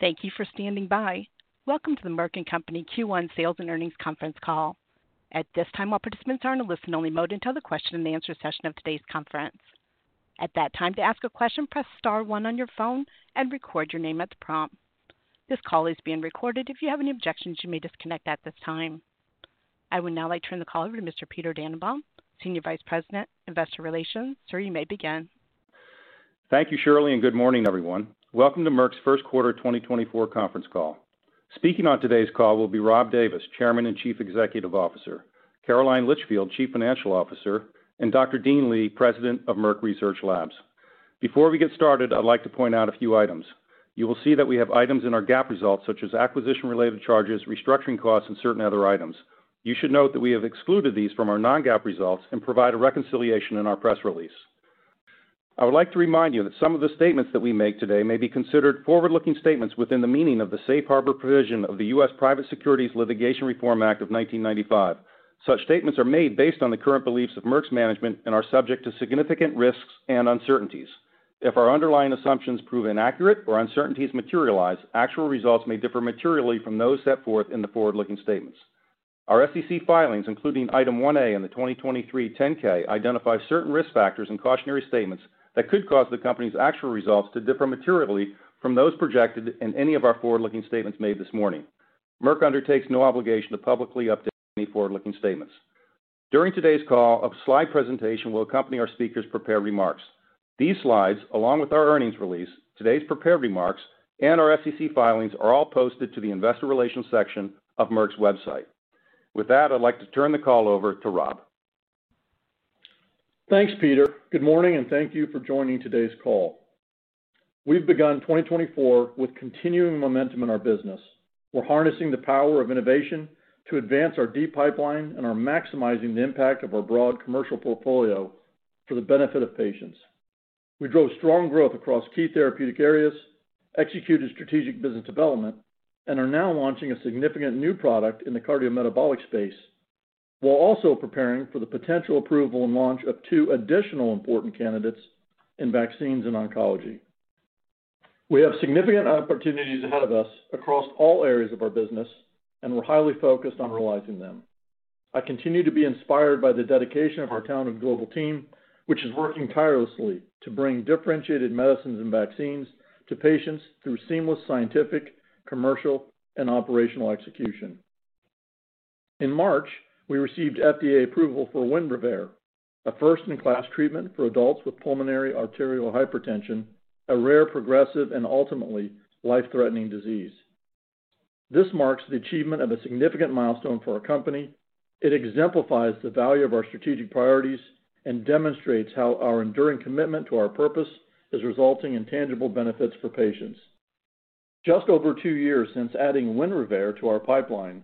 Thank you for standing by. Welcome to the Merck & Co Q1 sales and earnings conference call. At this time, while participants are in a listen-only mode, enter the question-and-answer session of today's conference. At that time, to ask a question, press star one on your phone and record your name at the prompt. This call is being recorded. If you have any objections, you may disconnect at this time. I would now like to turn the call over to Mr. Peter Dannenbaum, Senior Vice President, Investor Relations. Sir, you may begin. Thank you, Shirley, and good morning, everyone. Welcome to Merck's first quarter 2024 conference call. Speaking on today's call will be Rob Davis, Chairman and Chief Executive Officer, Caroline Litchfield, Chief Financial Officer, and Dr. Dean Li, President of Merck Research Labs. Before we get started, I'd like to point out a few items. You will see that we have items in our GAAP results such as acquisition-related charges, restructuring costs, and certain other items. You should note that we have excluded these from our non-GAAP results and provide a reconciliation in our press release. I would like to remind you that some of the statements that we make today may be considered forward-looking statements within the meaning of the Safe Harbor Provision of the U.S. Private Securities Litigation Reform Act of 1995. Such statements are made based on the current beliefs of Merck's management and are subject to significant risks and uncertainties. If our underlying assumptions prove inaccurate or uncertainties materialize, actual results may differ materially from those set forth in the forward-looking statements. Our SEC filings, including Item 1A and the 2023 10-K, identify certain risk factors and cautionary statements that could cause the company's actual results to differ materially from those projected in any of our forward-looking statements made this morning. Merck undertakes no obligation to publicly update any forward-looking statements. During today's call, a slide presentation will accompany our speakers' prepared remarks. These slides, along with our earnings release, today's prepared remarks, and our SEC filings are all posted to the Investor Relations section of Merck's website. With that, I'd like to turn the call over to Rob. Thanks, Peter. Good morning, and thank you for joining today's call. We've begun 2024 with continuing momentum in our business. We're harnessing the power of innovation to advance our deep pipeline and are maximizing the impact of our broad commercial portfolio for the benefit of patients. We drove strong growth across key therapeutic areas, executed strategic business development, and are now launching a significant new product in the cardiometabolic space while also preparing for the potential approval and launch of two additional important candidates in vaccines and oncology. We have significant opportunities ahead of us across all areas of our business, and we're highly focused on realizing them. I continue to be inspired by the dedication of our own and global team, which is working tirelessly to bring differentiated medicines and vaccines to patients through seamless scientific, commercial, and operational execution. In March, we received FDA approval for WINREVAIR, a first-in-class treatment for adults with pulmonary arterial hypertension, a rare, progressive, and ultimately life-threatening disease. This marks the achievement of a significant milestone for our company. It exemplifies the value of our strategic priorities and demonstrates how our enduring commitment to our purpose is resulting in tangible benefits for patients. Just over two years since adding WINREVAIR to our pipeline,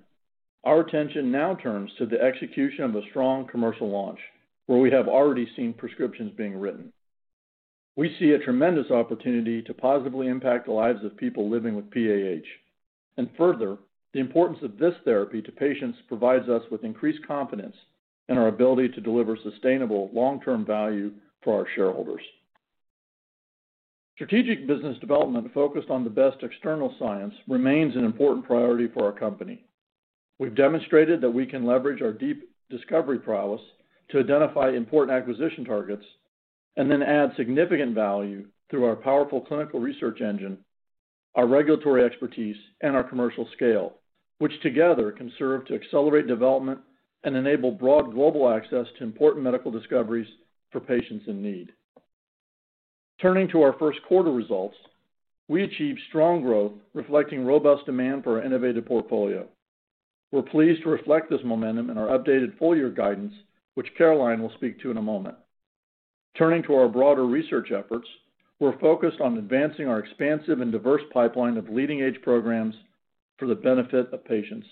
our attention now turns to the execution of a strong commercial launch, where we have already seen prescriptions being written. We see a tremendous opportunity to positively impact the lives of people living with PAH. And further, the importance of this therapy to patients provides us with increased confidence in our ability to deliver sustainable, long-term value for our shareholders. Strategic business development focused on the best external science remains an important priority for our company. We've demonstrated that we can leverage our deep discovery prowess to identify important acquisition targets and then add significant value through our powerful clinical research engine, our regulatory expertise, and our commercial scale, which together can serve to accelerate development and enable broad global access to important medical discoveries for patients in need. Turning to our first quarter results, we achieved strong growth reflecting robust demand for our innovative portfolio. We're pleased to reflect this momentum in our updated full-year guidance, which Caroline will speak to in a moment. Turning to our broader research efforts, we're focused on advancing our expansive and diverse pipeline of leading-edge programs for the benefit of patients.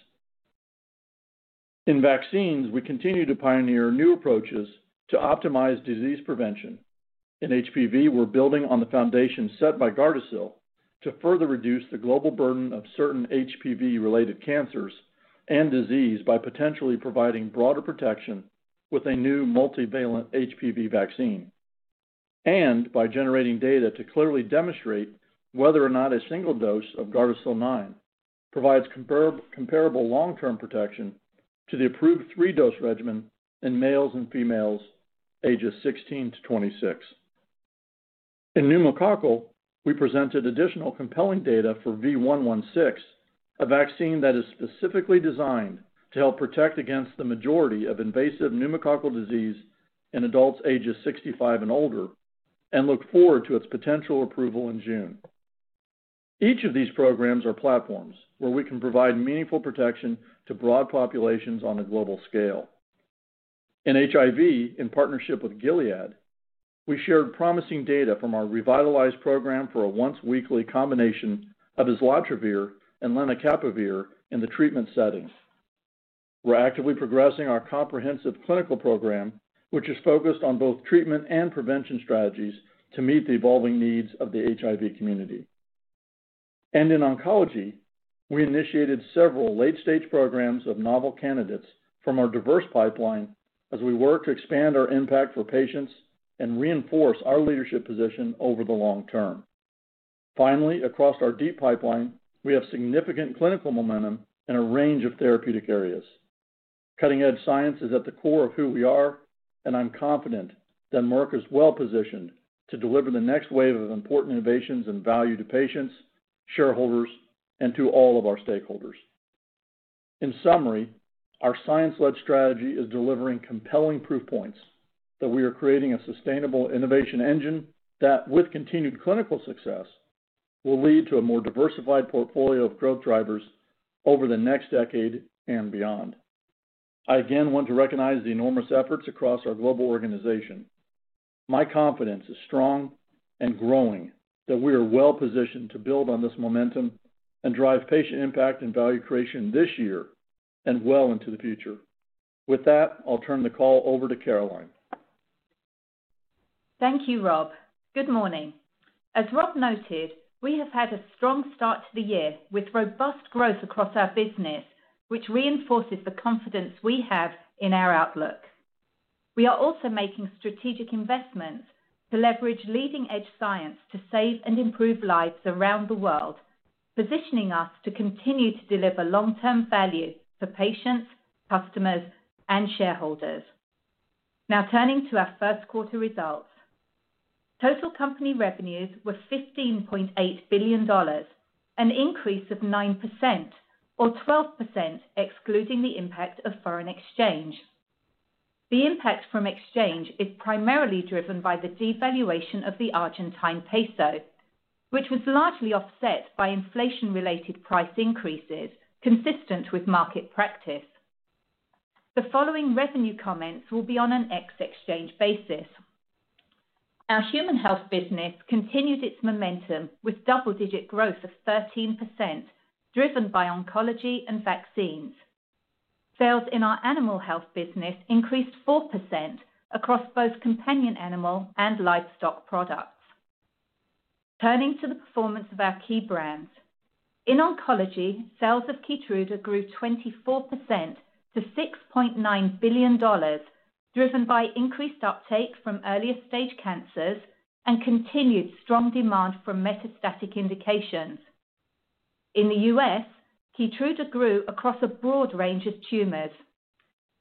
In vaccines, we continue to pioneer new approaches to optimize disease prevention. In HPV, we're building on the foundation set by GARDASIL to further reduce the global burden of certain HPV-related cancers and disease by potentially providing broader protection with a new multi-valent HPV vaccine. And by generating data to clearly demonstrate whether or not a single dose of GARDASIL 9 provides comparable long-term protection to the approved three-dose regimen in males and females ages 16 to 26. In pneumococcal, we presented additional compelling data for V116, a vaccine that is specifically designed to help protect against the majority of invasive pneumococcal disease in adults ages 65 and older, and look forward to its potential approval in June. Each of these programs are platforms where we can provide meaningful protection to broad populations on a global scale. In HIV, in partnership with Gilead, we shared promising data from our revitalized program for a once-weekly combination of islatravir and lenacapavir in the treatment setting. We're actively progressing our comprehensive clinical program, which is focused on both treatment and prevention strategies to meet the evolving needs of the HIV community. In oncology, we initiated several late-stage programs of novel candidates from our diverse pipeline as we work to expand our impact for patients and reinforce our leadership position over the long term. Finally, across our deep pipeline, we have significant clinical momentum in a range of therapeutic areas. Cutting-edge science is at the core of who we are, and I'm confident that Merck is well positioned to deliver the next wave of important innovations and value to patients, shareholders, and to all of our stakeholders. In summary, our science-led strategy is delivering compelling proof points that we are creating a sustainable innovation engine that, with continued clinical success, will lead to a more diversified portfolio of growth drivers over the next decade and beyond. I again want to recognize the enormous efforts across our global organization. My confidence is strong and growing that we are well positioned to build on this momentum and drive patient impact and value creation this year and well into the future. With that, I'll turn the call over to Caroline. Thank you, Rob. Good morning. As Rob noted, we have had a strong start to the year with robust growth across our business, which reinforces the confidence we have in our outlook. We are also making strategic investments to leverage leading-edge science to save and improve lives around the world, positioning us to continue to deliver long-term value for patients, customers, and shareholders. Now turning to our first quarter results. Total company revenues were $15.8 billion, an increase of 9% or 12% excluding the impact of foreign exchange. The impact from exchange is primarily driven by the devaluation of the Argentine peso, which was largely offset by inflation-related price increases consistent with market practice. The following revenue comments will be on an ex-exchange basis. Our human health business continued its momentum with double-digit growth of 13% driven by oncology and vaccines. Sales in our animal health business increased 4% across both companion animal and livestock products. Turning to the performance of our key brands. In oncology, sales of KEYTRUDA grew 24% to $6.9 billion, driven by increased uptake from earlier-stage cancers and continued strong demand from metastatic indications. In the U.S., KEYTRUDA grew across a broad range of tumors.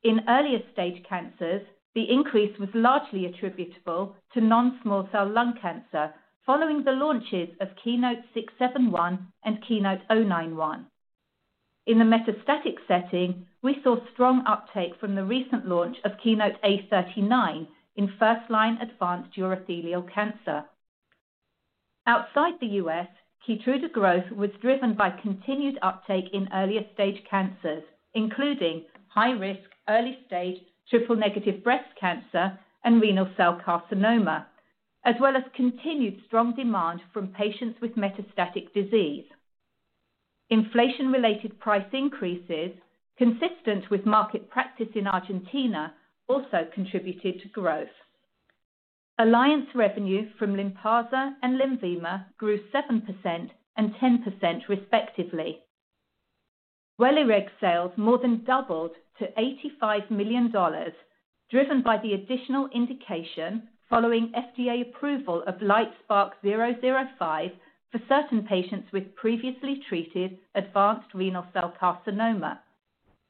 In earlier-stage cancers, the increase was largely attributable to non-small cell lung cancer following the launches of KEYNOTE-671 and KEYNOTE-091. In the metastatic setting, we saw strong uptake from the recent launch of KEYNOTE-A39 in first-line advanced urothelial cancer. Outside the U.S., KEYTRUDA growth was driven by continued uptake in earlier-stage cancers, including high-risk early-stage triple-negative breast cancer and renal cell carcinoma, as well as continued strong demand from patients with metastatic disease. Inflation-related price increases, consistent with market practice in Argentina, also contributed to growth. Alliance revenue from LYNPARZA and LENVIMA grew 7% and 10% respectively. WELIREG sales more than doubled to $85 million, driven by the additional indication following FDA approval of LITESPARK-005 for certain patients with previously treated advanced renal cell carcinoma,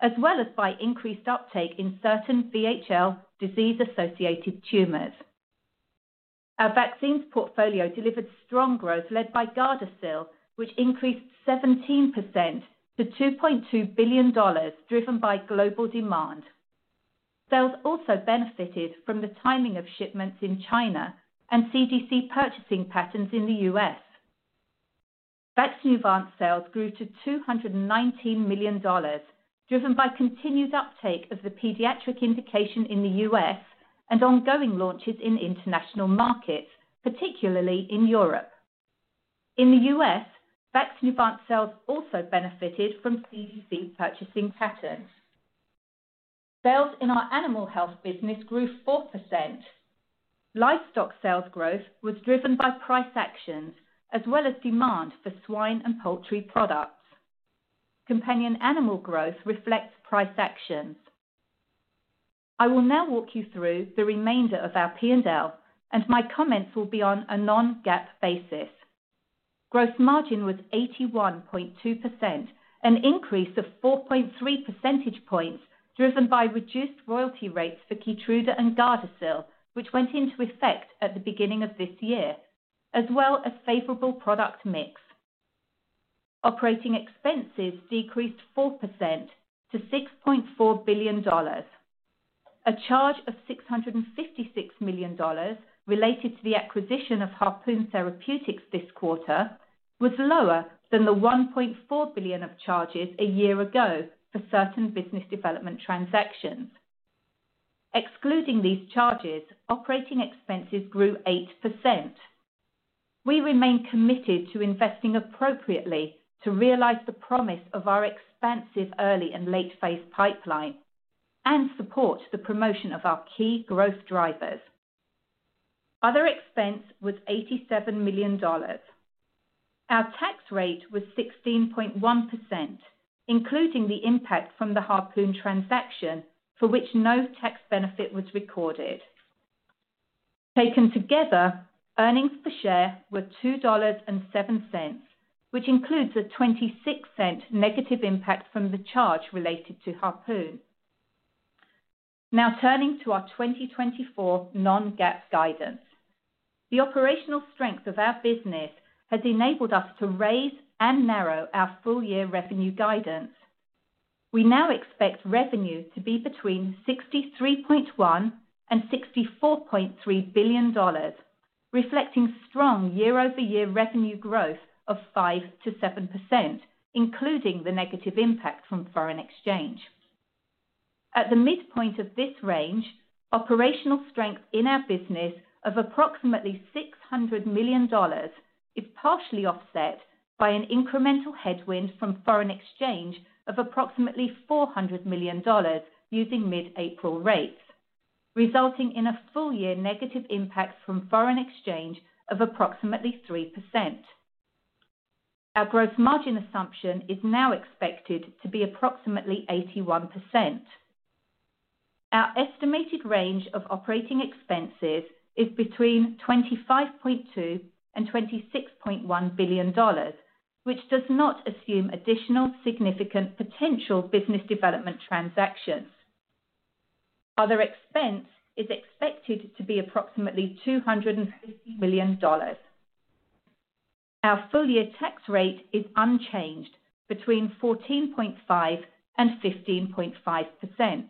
as well as by increased uptake in certain VHL disease-associated tumors. Our vaccines portfolio delivered strong growth led by GARDASIL, which increased 17% to $2.2 billion, driven by global demand. Sales also benefited from the timing of shipments in China and CDC purchasing patterns in the U.S. VAXNEUVANCE sales grew to $219 million, driven by continued uptake of the pediatric indication in the U.S. and ongoing launches in international markets, particularly in Europe. In the U.S., VAXNEUVANCE sales also benefited from CDC purchasing patterns. Sales in our animal health business grew 4%. Livestock sales growth was driven by price actions as well as demand for swine and poultry products. Companion animal growth reflects price actions. I will now walk you through the remainder of our P&L, and my comments will be on a non-GAAP basis. Gross margin was 81.2%, an increase of 4.3 percentage points driven by reduced royalty rates for KEYTRUDA and GARDASIL, which went into effect at the beginning of this year, as well as favorable product mix. Operating expenses decreased 4% to $6.4 billion. A charge of $656 million related to the acquisition of Harpoon Therapeutics this quarter was lower than the $1.4 billion of charges a year ago for certain business development transactions. Excluding these charges, operating expenses grew 8%. We remain committed to investing appropriately to realize the promise of our expansive early and late-phase pipeline and support the promotion of our key growth drivers. Other expense was $87 million. Our tax rate was 16.1%, including the impact from the Harpoon transaction for which no tax benefit was recorded. Taken together, earnings per share were $2.07, which includes a $0.26 negative impact from the charge related to Harpoon. Now turning to our 2024 non-GAAP guidance. The operational strength of our business has enabled us to raise and narrow our full-year revenue guidance. We now expect revenue to be between $63.1-$64.3 billion, reflecting strong year-over-year revenue growth of 5%-7%, including the negative impact from foreign exchange. At the midpoint of this range, operational strength in our business of approximately $600 million is partially offset by an incremental headwind from foreign exchange of approximately $400 million using mid-April rates, resulting in a full-year negative impact from foreign exchange of approximately 3%. Our gross margin assumption is now expected to be approximately 81%. Our estimated range of operating expenses is between $25.2-$26.1 billion, which does not assume additional significant potential business development transactions. Other expense is expected to be approximately $250 million. Our full-year tax rate is unchanged between 14.5%-15.5%.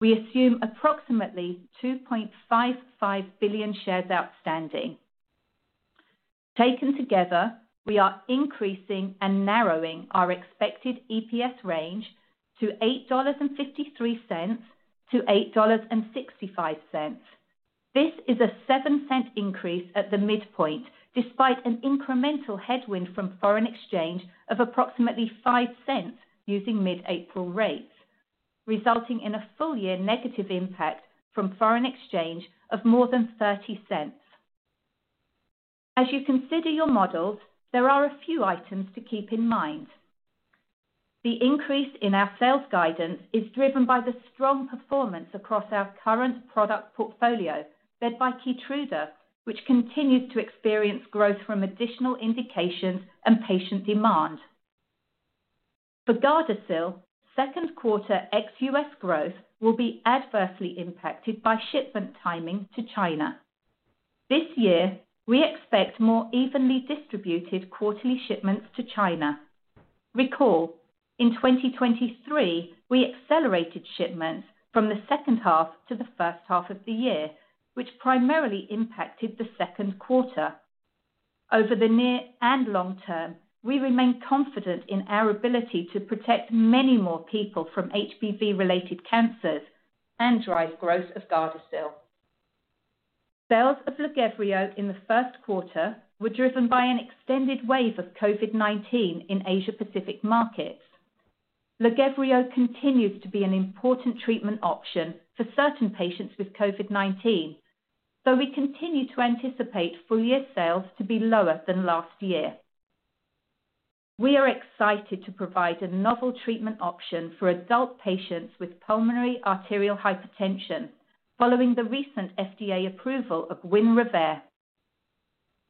We assume approximately 2.55 billion shares outstanding. Taken together, we are increasing and narrowing our expected EPS range to $8.53-$8.65. This is a $0.07 increase at the midpoint despite an incremental headwind from foreign exchange of approximately $0.05 using mid-April rates, resulting in a full-year negative impact from foreign exchange of more than $0.30. As you consider your models, there are a few items to keep in mind. The increase in our sales guidance is driven by the strong performance across our current product portfolio led by KEYTRUDA, which continues to experience growth from additional indications and patient demand. For GARDASIL, second quarter ex-US growth will be adversely impacted by shipment timing to China. This year, we expect more evenly distributed quarterly shipments to China. Recall, in 2023, we accelerated shipments from the second half to the first half of the year, which primarily impacted the second quarter. Over the near and long term, we remain confident in our ability to protect many more people from HPV-related cancers and drive growth of GARDASIL. Sales of LAGEVRIO in the first quarter were driven by an extended wave of COVID-19 in Asia-Pacific markets. LAGEVRIO continues to be an important treatment option for certain patients with COVID-19, though we continue to anticipate full-year sales to be lower than last year. We are excited to provide a novel treatment option for adult patients with pulmonary arterial hypertension following the recent FDA approval of WINREVAIR.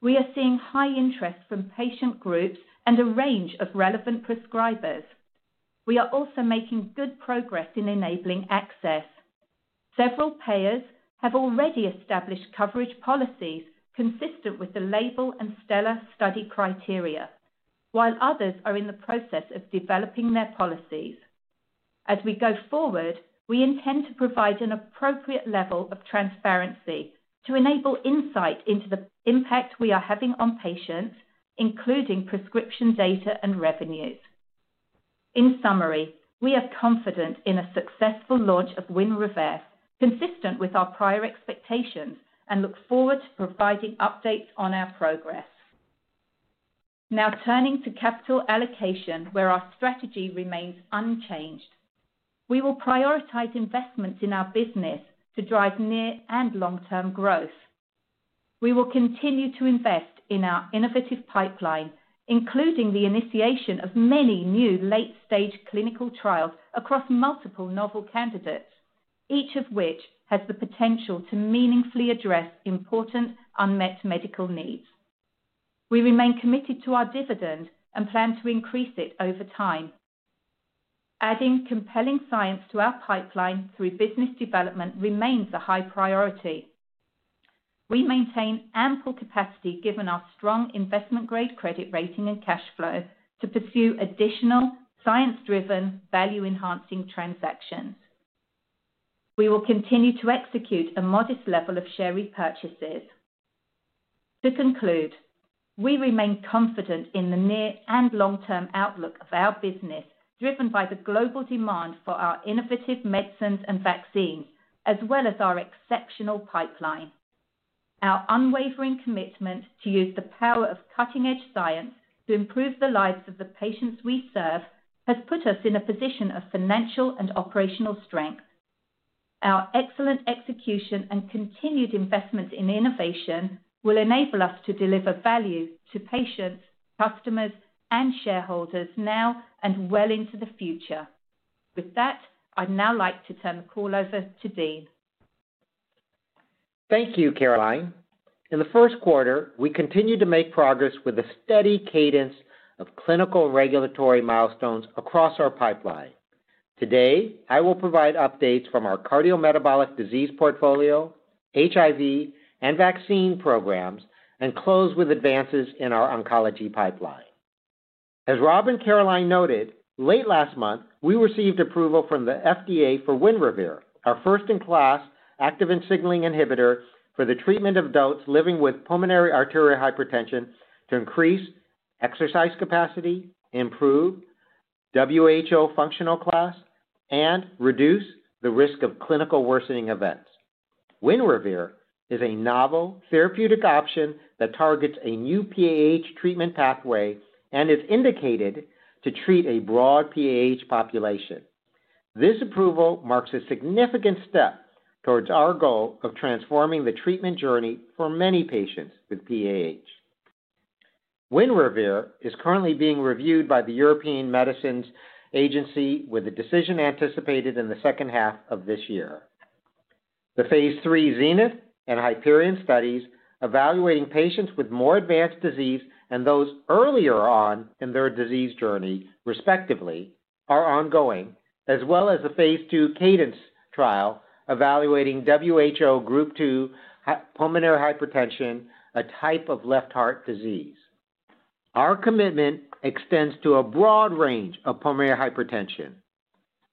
We are seeing high interest from patient groups and a range of relevant prescribers. We are also making good progress in enabling access. Several payers have already established coverage policies consistent with the label and STELLAR study criteria, while others are in the process of developing their policies. As we go forward, we intend to provide an appropriate level of transparency to enable insight into the impact we are having on patients, including prescription data and revenues. In summary, we are confident in a successful launch of WINREVAIR consistent with our prior expectations and look forward to providing updates on our progress. Now turning to capital allocation, where our strategy remains unchanged. We will prioritize investments in our business to drive near and long-term growth. We will continue to invest in our innovative pipeline, including the initiation of many new late-stage clinical trials across multiple novel candidates, each of which has the potential to meaningfully address important unmet medical needs. We remain committed to our dividend and plan to increase it over time. Adding compelling science to our pipeline through business development remains a high priority. We maintain ample capacity given our strong investment-grade credit rating and cash flow to pursue additional science-driven, value-enhancing transactions. We will continue to execute a modest level of share repurchases. To conclude, we remain confident in the near and long-term outlook of our business driven by the global demand for our innovative medicines and vaccines, as well as our exceptional pipeline. Our unwavering commitment to use the power of cutting-edge science to improve the lives of the patients we serve has put us in a position of financial and operational strength. Our excellent execution and continued investments in innovation will enable us to deliver value to patients, customers, and shareholders now and well into the future. With that, I'd now like to turn the call over to Dean. Thank you, Caroline. In the first quarter, we continue to make progress with a steady cadence of clinical regulatory milestones across our pipeline. Today, I will provide updates from our cardiometabolic disease portfolio, HIV, and vaccine programs, and close with advances in our oncology pipeline. As Rob and Caroline noted, late last month, we received approval from the FDA for WINREVAIR, our first-in-class Activin signaling inhibitor for the treatment of adults living with pulmonary arterial hypertension to increase exercise capacity, improve WHO functional class, and reduce the risk of clinical worsening events. WINREVAIR is a novel therapeutic option that targets a new PAH treatment pathway and is indicated to treat a broad PAH population. This approval marks a significant step towards our goal of transforming the treatment journey for many patients with PAH. WINREVAIR is currently being reviewed by the European Medicines Agency with a decision anticipated in the second half of this year. The phase III ZENITH and HYPERION studies, evaluating patients with more advanced disease and those earlier on in their disease journey, respectively, are ongoing, as well as a phase II CADENCE trial evaluating WHO Group 2 pulmonary hypertension, a type of left heart disease. Our commitment extends to a broad range of pulmonary hypertension.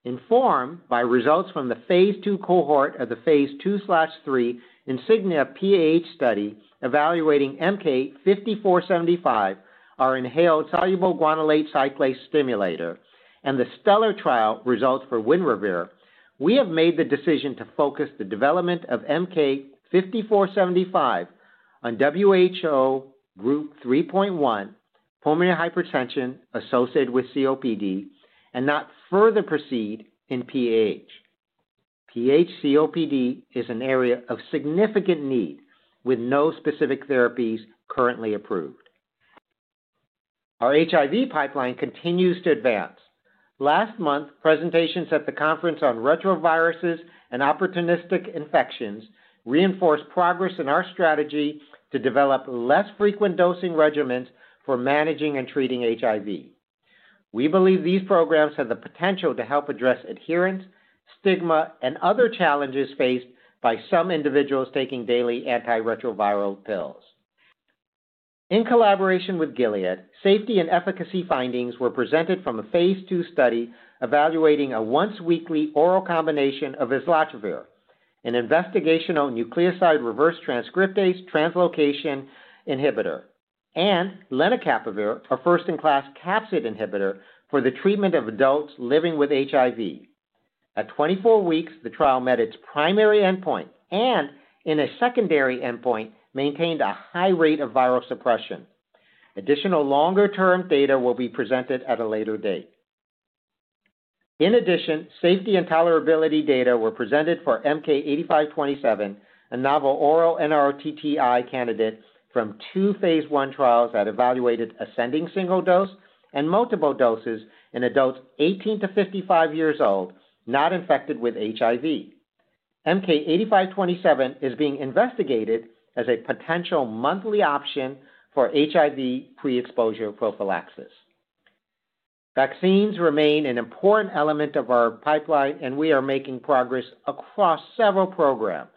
Informed by results from the phase II cohort of the phase II/III INSIGNIA-PAH study evaluating MK-5475, our inhaled soluble guanylate cyclase stimulator, and the STELLAR trial results for WINREVAIR, we have made the decision to focus the development of MK-5475 on WHO Group 3.1 pulmonary hypertension associated with COPD and not further proceed in PAH. PAH-COPD is an area of significant need with no specific therapies currently approved. Our HIV pipeline continues to advance. Last month, presentations at the conference on retroviruses and opportunistic infections reinforced progress in our strategy to develop less frequent dosing regimens for managing and treating HIV. We believe these programs have the potential to help address adherence, stigma, and other challenges faced by some individuals taking daily antiretroviral pills. In collaboration with Gilead, safety and efficacy findings were presented from a phase II study evaluating a once-weekly oral combination of islatravir, an investigational nucleoside reverse transcriptase translocation inhibitor, and lenacapavir, a first-in-class capsid inhibitor for the treatment of adults living with HIV. At 24 weeks, the trial met its primary endpoint and, in a secondary endpoint, maintained a high rate of viral suppression. Additional longer-term data will be presented at a later date. In addition, safety and tolerability data were presented for MK-8527, a novel oral NRTTI candidate from two phase I trials that evaluated ascending single dose and multiple doses in adults 18 to 55 years old not infected with HIV. MK-8527 is being investigated as a potential monthly option for HIV pre-exposure prophylaxis. Vaccines remain an important element of our pipeline, and we are making progress across several programs.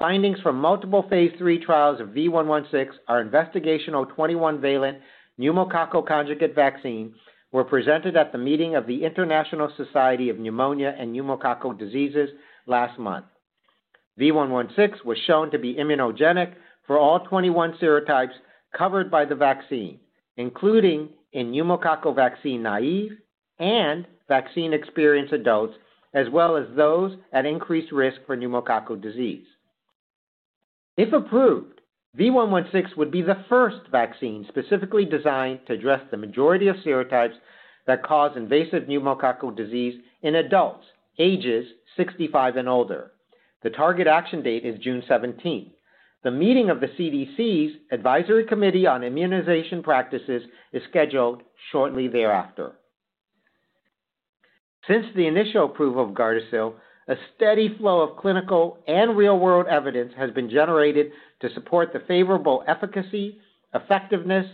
Findings from multiple phase III trials of V116, our investigational 21-valent pneumococcal conjugate vaccine, were presented at the meeting of the International Society of Pneumonia and Pneumococcal Diseases last month. V116 was shown to be immunogenic for all 21 serotypes covered by the vaccine, including in pneumococcal vaccine naïve and vaccine-experienced adults, as well as those at increased risk for pneumococcal disease. If approved, V116 would be the first vaccine specifically designed to address the majority of serotypes that cause invasive pneumococcal disease in adults ages 65 and older. The target action date is June 17th. The meeting of the CDC's Advisory Committee on Immunization Practices is scheduled shortly thereafter. Since the initial approval of GARDASIL, a steady flow of clinical and real-world evidence has been generated to support the favorable efficacy, effectiveness,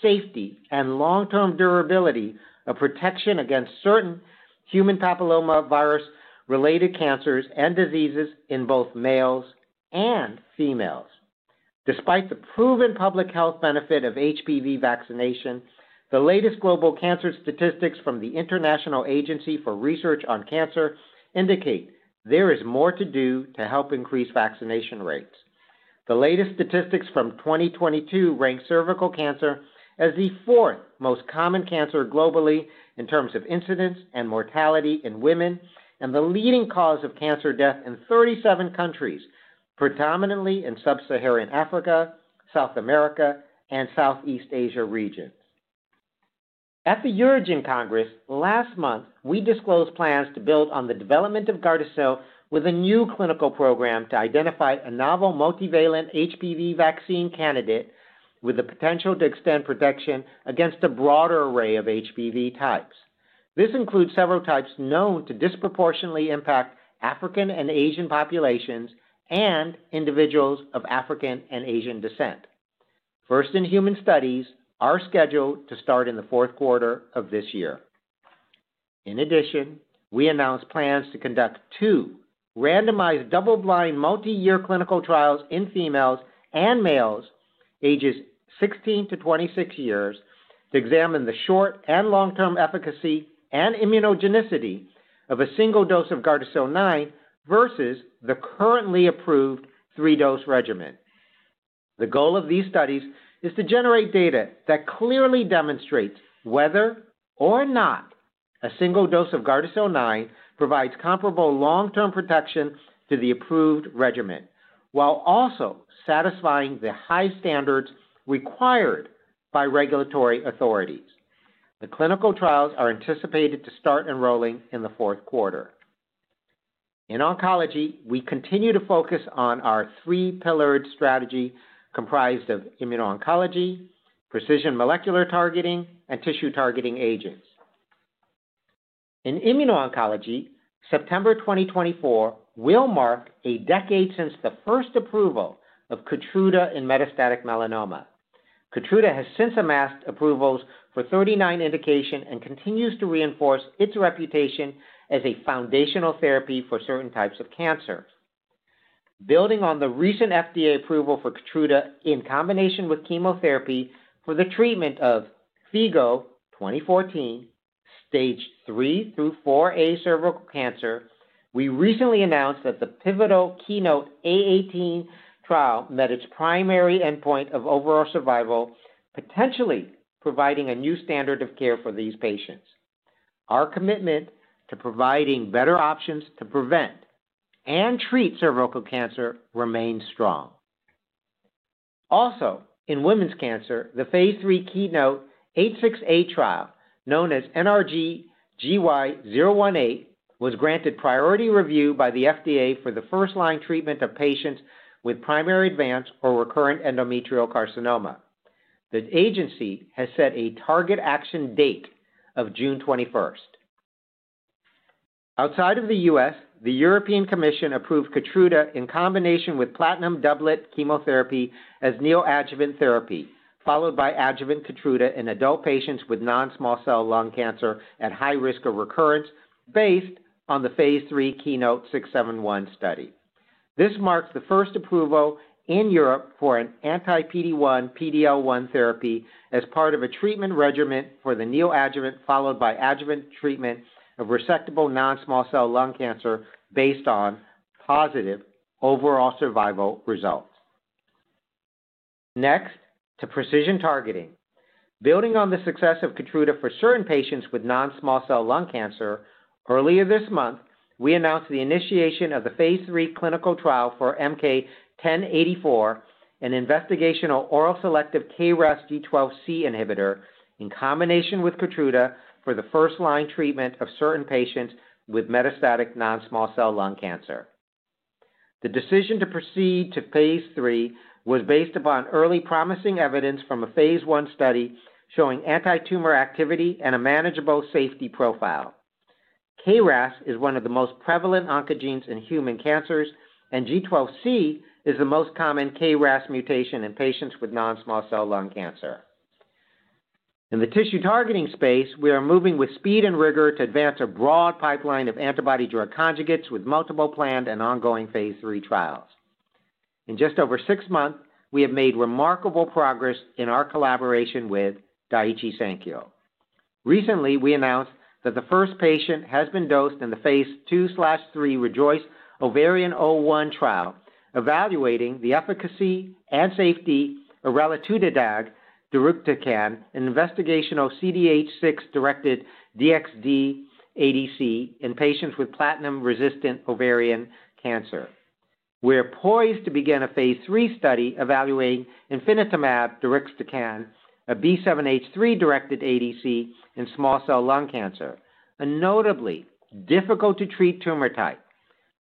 safety, and long-term durability of protection against certain human papillomavirus-related cancers and diseases in both males and females. Despite the proven public health benefit of HPV vaccination, the latest global cancer statistics from the International Agency for Research on Cancer indicate there is more to do to help increase vaccination rates. The latest statistics from 2022 rank cervical cancer as the fourth most common cancer globally in terms of incidence and mortality in women, and the leading cause of cancer death in 37 countries, predominantly in Sub-Saharan Africa, South America, and Southeast Asia regions. At the EUROGIN Congress last month, we disclosed plans to build on the development of GARDASIL with a new clinical program to identify a novel multivalent HPV vaccine candidate with the potential to extend protection against a broader array of HPV types. This includes several types known to disproportionately impact African and Asian populations and individuals of African and Asian descent. First-in-human studies are scheduled to start in the fourth quarter of this year. In addition, we announced plans to conduct two randomized double-blind multi-year clinical trials in females and males ages 16-26 years to examine the short and long-term efficacy and immunogenicity of a single dose of GARDASIL 9 versus the currently approved three-dose regimen. The goal of these studies is to generate data that clearly demonstrates whether or not a single dose of GARDASIL 9 provides comparable long-term protection to the approved regimen, while also satisfying the high standards required by regulatory authorities. The clinical trials are anticipated to start enrolling in the fourth quarter. In oncology, we continue to focus on our three-pillared strategy comprised of immuno-oncology, precision molecular targeting, and tissue targeting agents. In immuno-oncology, September 2024 will mark a decade since the first approval of KEYTRUDA in metastatic melanoma. KEYTRUDA has since amassed approvals for 39 indications and continues to reinforce its reputation as a foundational therapy for certain types of cancer. Building on the recent FDA approval for KEYTRUDA in combination with chemotherapy for the treatment of FIGO 2014, Stage III through IVA cervical cancer, we recently announced that the pivotal KEYNOTE-A18 trial met its primary endpoint of overall survival, potentially providing a new standard of care for these patients. Our commitment to providing better options to prevent and treat cervical cancer remains strong. Also, in women's cancer, the phase III KEYNOTE-868 trial, known as NRG-GY018, was granted priority review by the FDA for the first-line treatment of patients with primary advanced or recurrent endometrial carcinoma. The agency has set a target action date of June 21st. Outside of the U.S., the European Commission approved KEYTRUDA in combination with platinum doublet chemotherapy as neoadjuvant therapy, followed by adjuvant KEYTRUDA in adult patients with non-small cell lung cancer at high risk of recurrence based on the phase III KEYNOTE-671 study. This marks the first approval in Europe for an anti-PD-1/PD-L1 therapy as part of a treatment regimen for the neoadjuvant followed by adjuvant treatment of resectable non-small cell lung cancer based on positive overall survival results. Next, to precision targeting. Building on the success of KEYTRUDA for certain patients with non-small cell lung cancer, earlier this month, we announced the initiation of the phase III clinical trial for MK-1084, an investigational oral selective KRAS G12C inhibitor, in combination with KEYTRUDA for the first-line treatment of certain patients with metastatic non-small cell lung cancer. The decision to proceed to phase III was based upon early promising evidence from a phase I study showing anti-tumor activity and a manageable safety profile. KRAS is one of the most prevalent oncogenes in human cancers, and G12C is the most common KRAS mutation in patients with non-small cell lung cancer. In the tissue targeting space, we are moving with speed and rigor to advance a broad pipeline of antibody-drug conjugates with multiple planned and ongoing phase III trials. In just over six months, we have made remarkable progress in our collaboration with Daiichi Sankyo. Recently, we announced that the first patient has been dosed in the phase II/III REJOICE-Ovarian01 trial, evaluating the efficacy and safety of raludotatug deruxtecan in investigational CDH6-directed DXd ADC in patients with platinum-resistant ovarian cancer. We are poised to begin a phase III study evaluating ifinatamab deruxtecan, a B7-H3-directed ADC in small cell lung cancer, a notably difficult-to-treat tumor type.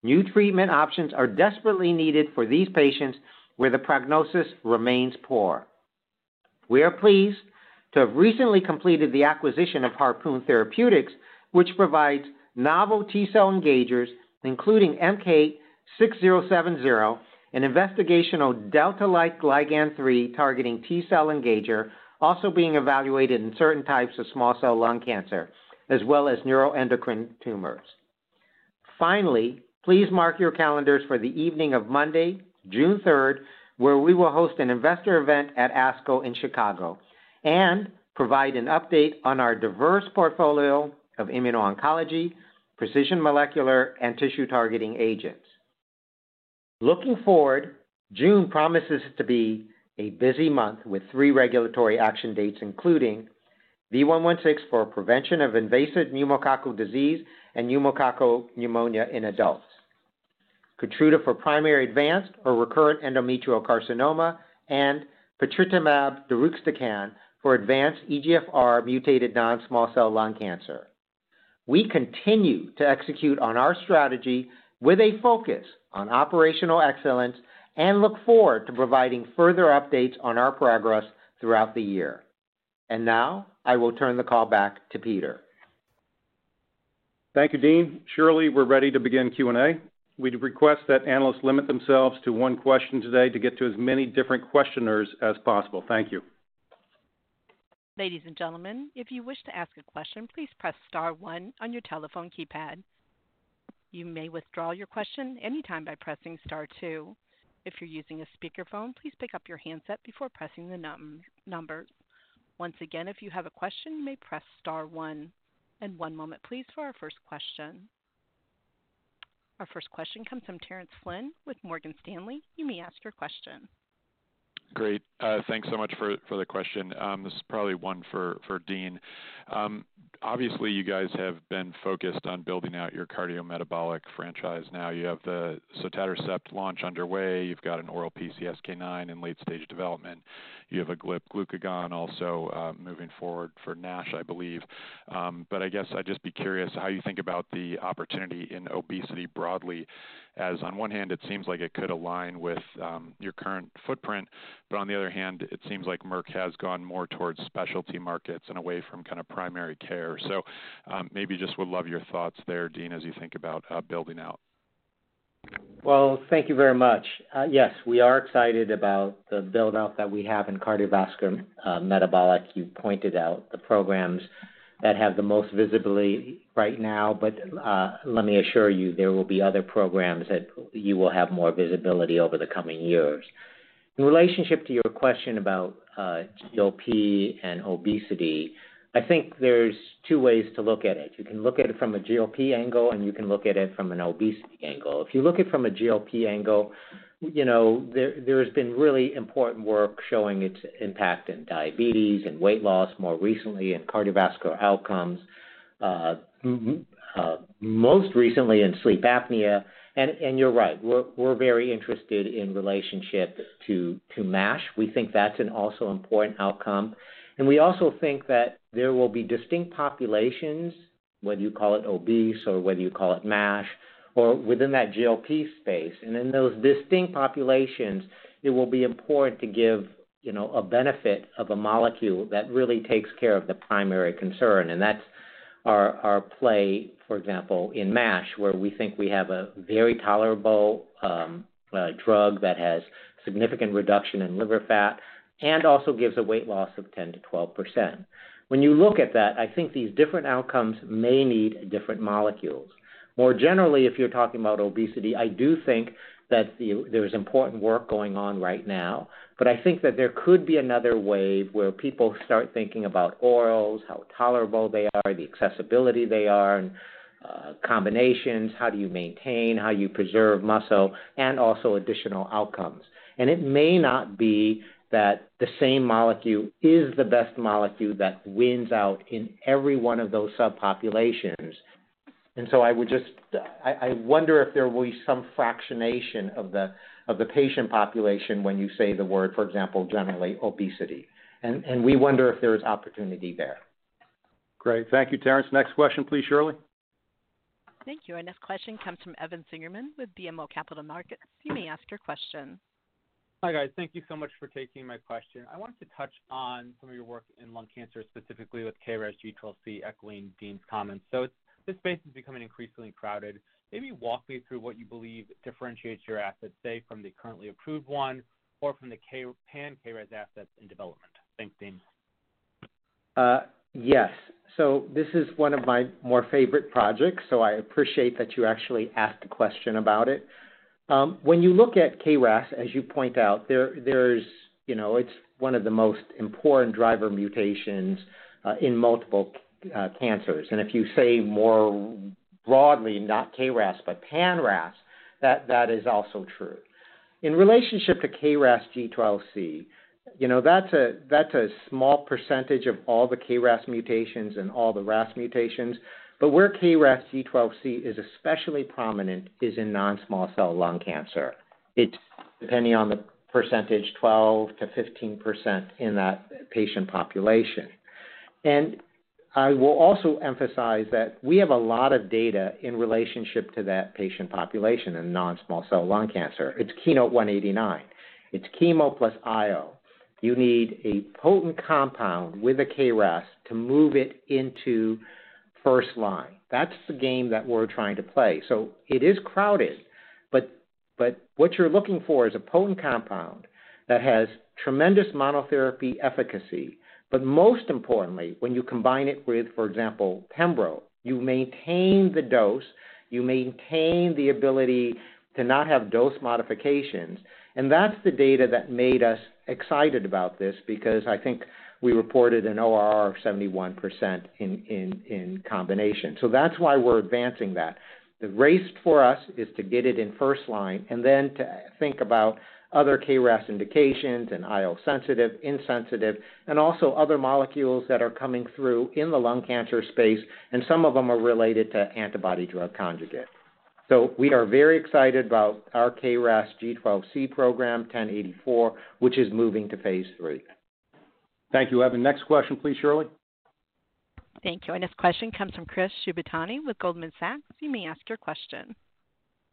New treatment options are desperately needed for these patients where the prognosis remains poor. We are pleased to have recently completed the acquisition of Harpoon Therapeutics, which provides novel T-cell engagers, including MK-6070, an investigational delta-like ligand 3 targeting T-cell engager also being evaluated in certain types of small cell lung cancer, as well as neuroendocrine tumors. Finally, please mark your calendars for the evening of Monday, June 3rd, where we will host an investor event at ASCO in Chicago and provide an update on our diverse portfolio of immuno-oncology, precision molecular, and tissue targeting agents. Looking forward, June promises to be a busy month with three regulatory action dates, including V116 for prevention of invasive pneumococcal disease and pneumococcal pneumonia in adults, KEYTRUDA for primary advanced or recurrent endometrial carcinoma, and patritumab deruxtecan for advanced EGFR-mutated non-small cell lung cancer. We continue to execute on our strategy with a focus on operational excellence and look forward to providing further updates on our progress throughout the year. Now, I will turn the call back to Peter. Thank you, Dean. So we're ready to begin Q&A. We'd request that analysts limit themselves to one question today to get to as many different questioners as possible. Thank you. Ladies and gentlemen, if you wish to ask a question, please press star one on your telephone keypad. You may withdraw your question anytime by pressing star two. If you're using a speakerphone, please pick up your handset before pressing the numbers. Once again, if you have a question, you may press star one. One moment, please, for our first question. Our first question comes from Terence Flynn with Morgan Stanley. You may ask your question. Great. Thanks so much for the question. This is probably one for Dean. Obviously, you guys have been focused on building out your cardiometabolic franchise now. You have the sotatercept launch underway. You've got an oral PCSK9 in late-stage development. You have a GLP glucagon also moving forward for NASH, I believe. But I guess I'd just be curious how you think about the opportunity in obesity broadly, as on one hand, it seems like it could align with your current footprint, but on the other hand, it seems like Merck has gone more towards specialty markets and away from kind of primary care. So maybe just would love your thoughts there, Dean, as you think about building out. Well, thank you very much. Yes, we are excited about the buildout that we have in cardiovascular metabolic. You pointed out the programs that have the most visibility right now, but let me assure you there will be other programs that you will have more visibility over the coming years. In relationship to your question about GLP and obesity, I think there's two ways to look at it. You can look at it from a GLP angle, and you can look at it from an obesity angle. If you look at it from a GLP angle, there has been really important work showing its impact in diabetes and weight loss more recently in cardiovascular outcomes, most recently in sleep apnea. And you're right. We're very interested in relationship to NASH. We think that's an also important outcome. We also think that there will be distinct populations, whether you call it obese or whether you call it NASH, or within that GLP space. In those distinct populations, it will be important to give a benefit of a molecule that really takes care of the primary concern. That's our play, for example, in NASH, where we think we have a very tolerable drug that has significant reduction in liver fat and also gives a weight loss of 10%-12%. When you look at that, I think these different outcomes may need different molecules. More generally, if you're talking about obesity, I do think that there's important work going on right now, but I think that there could be another wave where people start thinking about orals, how tolerable they are, the accessibility they are, and combinations, how do you maintain, how do you preserve muscle, and also additional outcomes. It may not be that the same molecule is the best molecule that wins out in every one of those subpopulations. So I wonder if there will be some fractionation of the patient population when you say the word, for example, generally, obesity. We wonder if there is opportunity there. Great. Thank you, Terrence. Next question, please, Shirley. Thank you. Our next question comes from Evan Seigerman with BMO Capital Markets. You may ask your question. Hi, guys. Thank you so much for taking my question. I wanted to touch on some of your work in lung cancer, specifically with KRAS G12C, echoing Dean's comments. So this space is becoming increasingly crowded. Maybe walk me through what you believe differentiates your assets, say, from the currently approved one or from the pan-KRAS assets in development. Thanks, Dean. Yes. So this is one of my more favorite projects, so I appreciate that you actually asked a question about it. When you look at KRAS, as you point out, it's one of the most important driver mutations in multiple cancers. And if you say more broadly, not KRAS but pan-RAS, that is also true. In relationship to KRAS G12C, that's a small percentage of all the KRAS mutations and all the RAS mutations. But where KRAS G12C is especially prominent is in non-small cell lung cancer. It's, depending on the percentage, 12%-15% in that patient population. And I will also emphasize that we have a lot of data in relationship to that patient population in non-small cell lung cancer. It's KEYNOTE-189. It's chemo plus IO. You need a potent compound with a KRAS to move it into first line. That's the game that we're trying to play. So it is crowded, but what you're looking for is a potent compound that has tremendous monotherapy efficacy. But most importantly, when you combine it with, for example, pembro, you maintain the dose, you maintain the ability to not have dose modifications. And that's the data that made us excited about this because I think we reported an ORR of 71% in combination. So that's why we're advancing that. The race for us is to get it in first line and then to think about other KRAS indications and IO-sensitive, insensitive, and also other molecules that are coming through in the lung cancer space, and some of them are related to antibody-drug conjugates. So we are very excited about our KRAS G12c program 1084, which is moving to phase III. Thank you, Evan. Next question, please, Shirley. Thank you. Our next question comes from Chris Shibutani with Goldman Sachs. You may ask your question.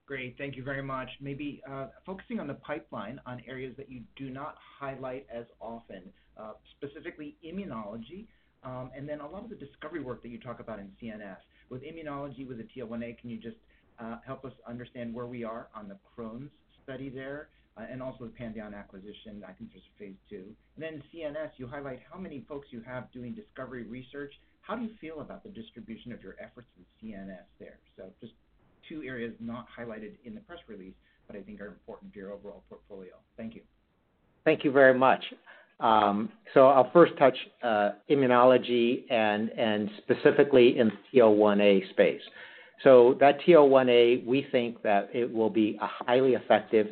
Great. Thank you very much. Maybe focusing on the pipeline on areas that you do not highlight as often, specifically immunology and then a lot of the discovery work that you talk about in CNS. With immunology, with the TL1A, can you just help us understand where we are on the Crohn's study there and also the Pandion acquisition? I think there's a phase II. And then in CNS, you highlight how many folks you have doing discovery research. How do you feel about the distribution of your efforts in CNS there? So just two areas not highlighted in the press release, but I think are important to your overall portfolio. Thank you. Thank you very much. So I'll first touch immunology and specifically in the TL1A space. So that TL1A, we think that it will be highly effective,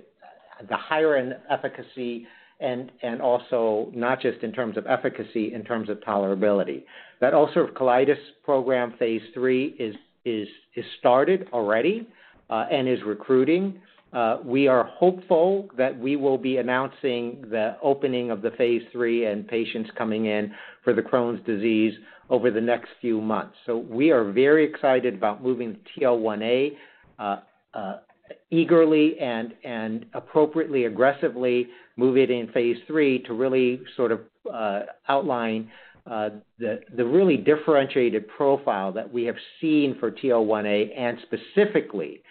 the higher efficacy and also not just in terms of efficacy, in terms of tolerability. That ulcerative colitis program, phase III, is started already and is recruiting. We are hopeful that we will be announcing the opening of the phase III and patients coming in for the Crohn's disease over the next few months. So we are very excited about moving the TL1A eagerly and appropriately, aggressively move it in phase III to really sort of outline the really differentiated profile that we have seen for TL1A and specifically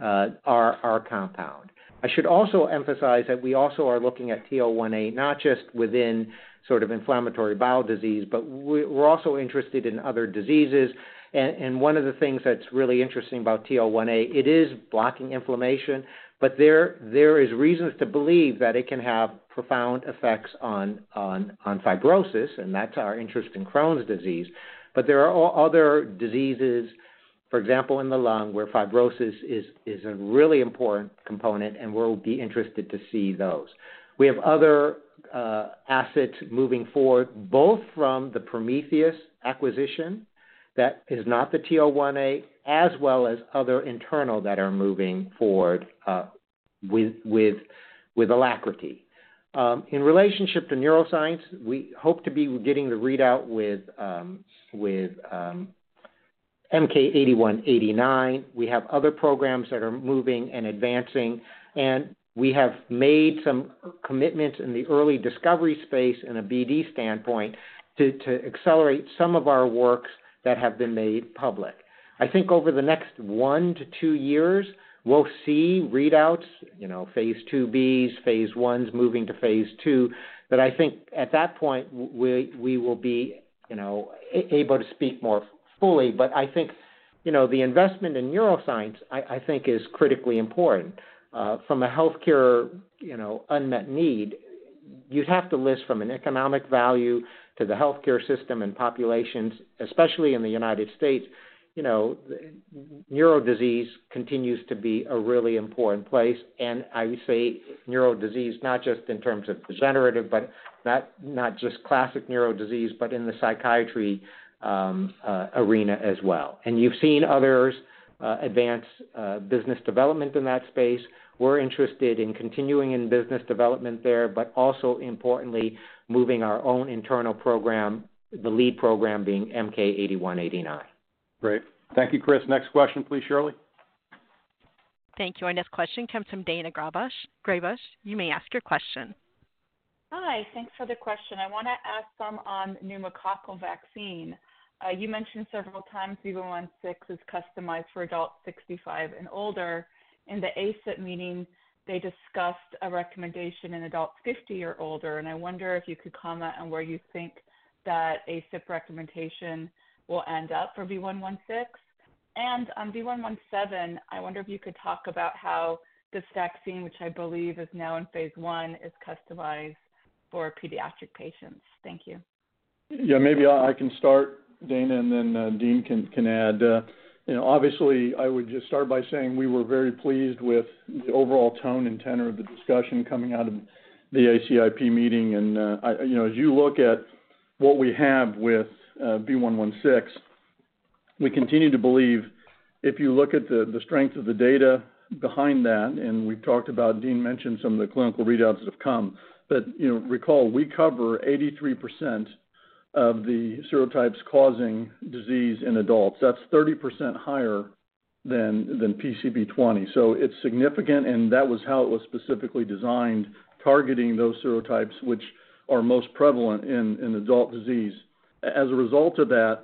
our compound. I should also emphasize that we also are looking at TL1A not just within sort of inflammatory bowel disease, but we're also interested in other diseases. One of the things that's really interesting about TL1A, it is blocking inflammation, but there are reasons to believe that it can have profound effects on fibrosis, and that's our interest in Crohn's disease. There are other diseases, for example, in the lung where fibrosis is a really important component, and we'll be interested to see those. We have other assets moving forward, both from the Prometheus acquisition that is not the TL1A, as well as other internal that are moving forward with alacrity. In relationship to neuroscience, we hope to be getting the readout with MK-8189. We have other programs that are moving and advancing, and we have made some commitments in the early discovery space in a BD standpoint to accelerate some of our works that have been made public. I think over the next one to two years, we'll see readouts, phase IIBs, phase I's moving to phase II, that I think at that point, we will be able to speak more fully. But I think the investment in neuroscience, I think, is critically important. From a healthcare unmet need, you'd have to list from an economic value to the healthcare system and populations, especially in the United States. Neurodisease continues to be a really important place, and I would say neurodisease, not just in terms of degenerative, but not just classic neurodisease, but in the psychiatry arena as well. You've seen others advance business development in that space. We're interested in continuing in business development there, but also importantly, moving our own internal program, the lead program being MK-8189. Great. Thank you, Chris. Next question, please, Shirley. Thank you. Our next question comes from Daina Graybosch. You may ask your question. Hi. Thanks for the question. I want to ask some on pneumococcal vaccine. You mentioned several times V116 is customized for adults 65 and older. In the ACIP meeting, they discussed a recommendation in adults 50 or older, and I wonder if you could comment on where you think that ACIP recommendation will end up for V116. On V117, I wonder if you could talk about how this vaccine, which I believe is now in phase I, is customized for pediatric patients. Thank you. Yeah, maybe I can start, Dana, and then Dean can add. Obviously, I would just start by saying we were very pleased with the overall tone and tenor of the discussion coming out of the ACIP meeting. As you look at what we have with V116, we continue to believe if you look at the strength of the data behind that, and we've talked about Dean mentioned some of the clinical readouts that have come, but recall, we cover 83% of the serotypes causing disease in adults. That's 30% higher than PCV20. So it's significant, and that was how it was specifically designed, targeting those serotypes which are most prevalent in adult disease. As a result of that,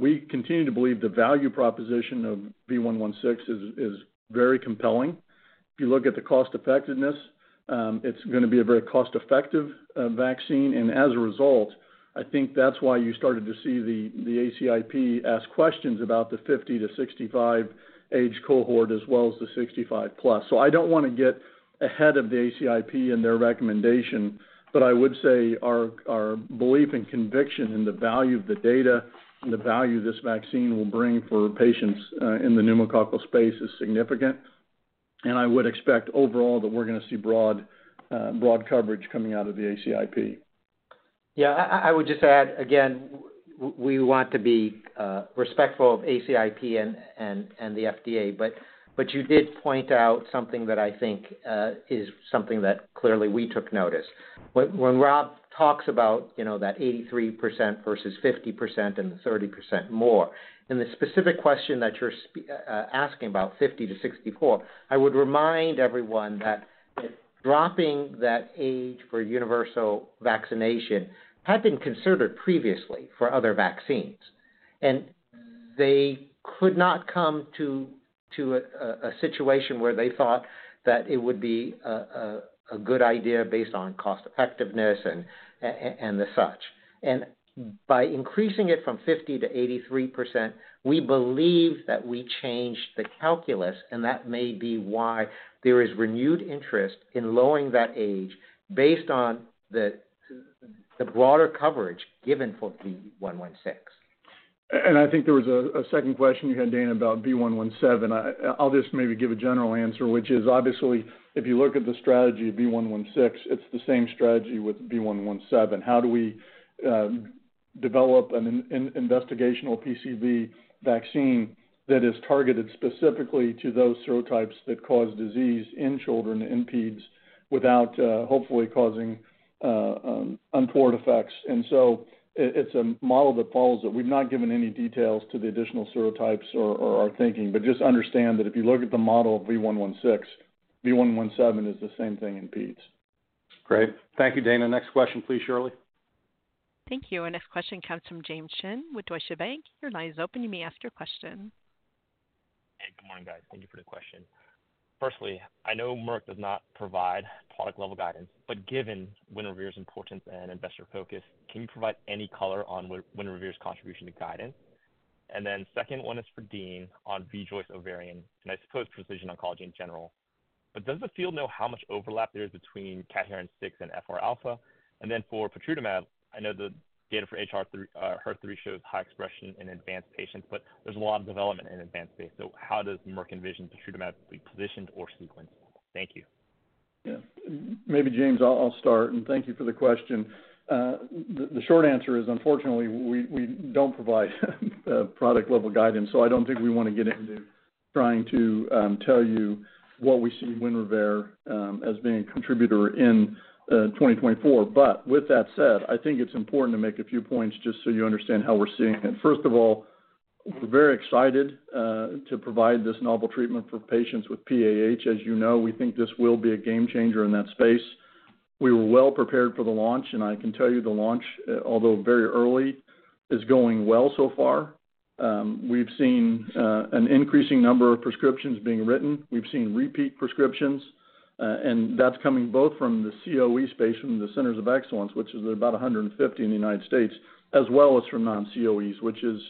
we continue to believe the value proposition of V116 is very compelling. If you look at the cost-effectiveness, it's going to be a very cost-effective vaccine. As a result, I think that's why you started to see the ACIP ask questions about the 50-65 age cohort as well as the 65+. I don't want to get ahead of the ACIP and their recommendation, but I would say our belief and conviction in the value of the data and the value this vaccine will bring for patients in the pneumococcal space is significant. I would expect overall that we're going to see broad coverage coming out of the ACIP. Yeah. I would just add, again, we want to be respectful of ACIP and the FDA, but you did point out something that I think is something that clearly we took notice. When Rob talks about that 83% versus 50% and 30% more, in the specific question that you're asking about 50-64, I would remind everyone that dropping that age for universal vaccination had been considered previously for other vaccines. And they could not come to a situation where they thought that it would be a good idea based on cost-effectiveness and the such. And by increasing it from 50%-83%, we believe that we changed the calculus, and that may be why there is renewed interest in lowering that age based on the broader coverage given for V116. I think there was a second question you had, Daina, about V117. I'll just maybe give a general answer, which is, obviously, if you look at the strategy of V116, it's the same strategy with V117. How do we develop an investigational PCV vaccine that is targeted specifically to those serotypes that cause disease in children, in peds, without hopefully causing untoward effects? And so it's a model that follows it. We've not given any details to the additional serotypes or our thinking, but just understand that if you look at the model of V116, V117 is the same thing in peds. Great. Thank you, Daina. Next question, please, Shirley. Thank you. Our next question comes from James Shin with Deutsche Bank. Your line is open. You may ask your question. Hey, good morning, guys. Thank you for the question. Firstly, I know Merck does not provide product-level guidance, but given WINREVAIR's importance and investor focus, can you provide any color on WINREVAIR's contribution to guidance? And then second one is for Dean on REJOICE-Ovarian, and I suppose precision oncology in general. But does the field know how much overlap there is between CDH6 and FR-alpha? And then for patritumab, I know the data for HER3 shows high expression in advanced patients, but there's a lot of development in advanced space. So how does Merck envision patritumab to be positioned or sequenced? Thank you. Yeah. Maybe, James, I'll start, and thank you for the question. The short answer is, unfortunately, we don't provide product-level guidance, so I don't think we want to get into trying to tell you what we see WINREVAIR as being a contributor in 2024. But with that said, I think it's important to make a few points just so you understand how we're seeing it. First of all, we're very excited to provide this novel treatment for patients with PAH. As you know, we think this will be a game-changer in that space. We were well prepared for the launch, and I can tell you the launch, although very early, is going well so far. We've seen an increasing number of prescriptions being written. We've seen repeat prescriptions, and that's coming both from the COE space, from the Centers of Excellence, which is about 150 in the United States, as well as from non-COEs, which is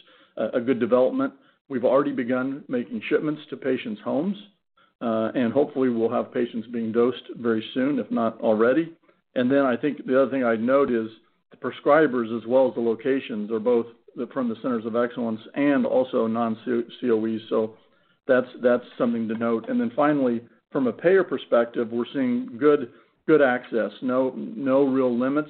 a good development. We've already begun making shipments to patients' homes, and hopefully, we'll have patients being dosed very soon, if not already. And then I think the other thing I'd note is the prescribers, as well as the locations, are both from the Centers of Excellence and also non-COEs. So that's something to note. And then finally, from a payer perspective, we're seeing good access, no real limits.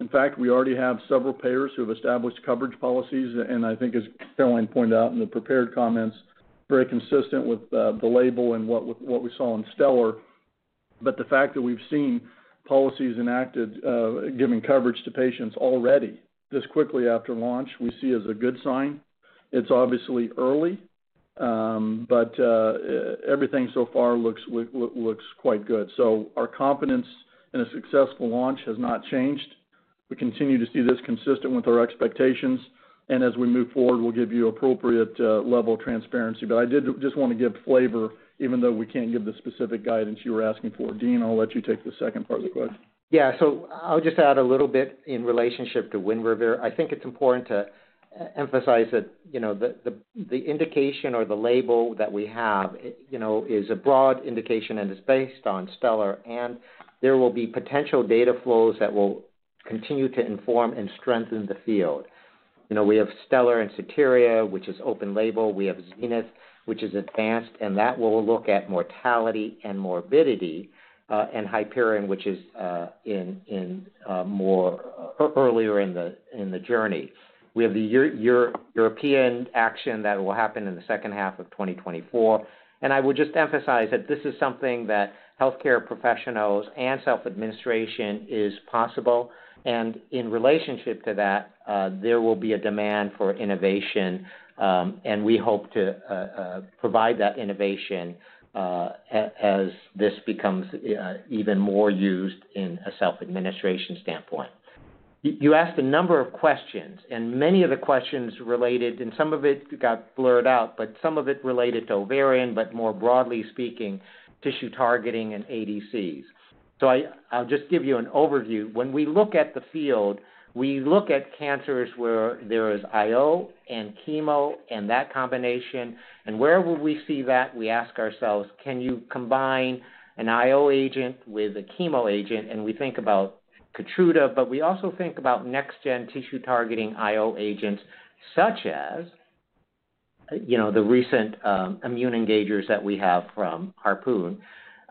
In fact, we already have several payers who have established coverage policies, and I think, as Caroline pointed out in the prepared comments, very consistent with the label and what we saw in STELLAR. But the fact that we've seen policies enacted giving coverage to patients already this quickly after launch, we see as a good sign. It's obviously early, but everything so far looks quite good. So our confidence in a successful launch has not changed. We continue to see this consistent with our expectations. And as we move forward, we'll give you appropriate level transparency. But I did just want to give flavor, even though we can't give the specific guidance you were asking for. Dean, I'll let you take the second part of the question. Yeah. So I'll just add a little bit in relationship to WINREVAIR. I think it's important to emphasize that the indication or the label that we have is a broad indication and is based on STELLAR, and there will be potential data flows that will continue to inform and strengthen the label. We have STELLAR and SOTERIA, which is open-label. We have ZENITH, which is advanced, and that will look at mortality and morbidity, and HYPERION, which is earlier in the journey. We have the European action that will happen in the second half of 2024. And I would just emphasize that this is something that healthcare professionals and self-administration is possible. And in relationship to that, there will be a demand for innovation, and we hope to provide that innovation as this becomes even more used in a self-administration standpoint. You asked a number of questions, and many of the questions related, and some of it got blurred out, but some of it related to ovarian, but more broadly speaking, tissue targeting and ADCs. So I'll just give you an overview. When we look at the field, we look at cancers where there is IO and chemo and that combination. And where will we see that? We ask ourselves, can you combine an IO agent with a chemo agent? And we think about KEYTRUDA, but we also think about next-gen tissue targeting IO agents such as the recent immune engagers that we have from Harpoon.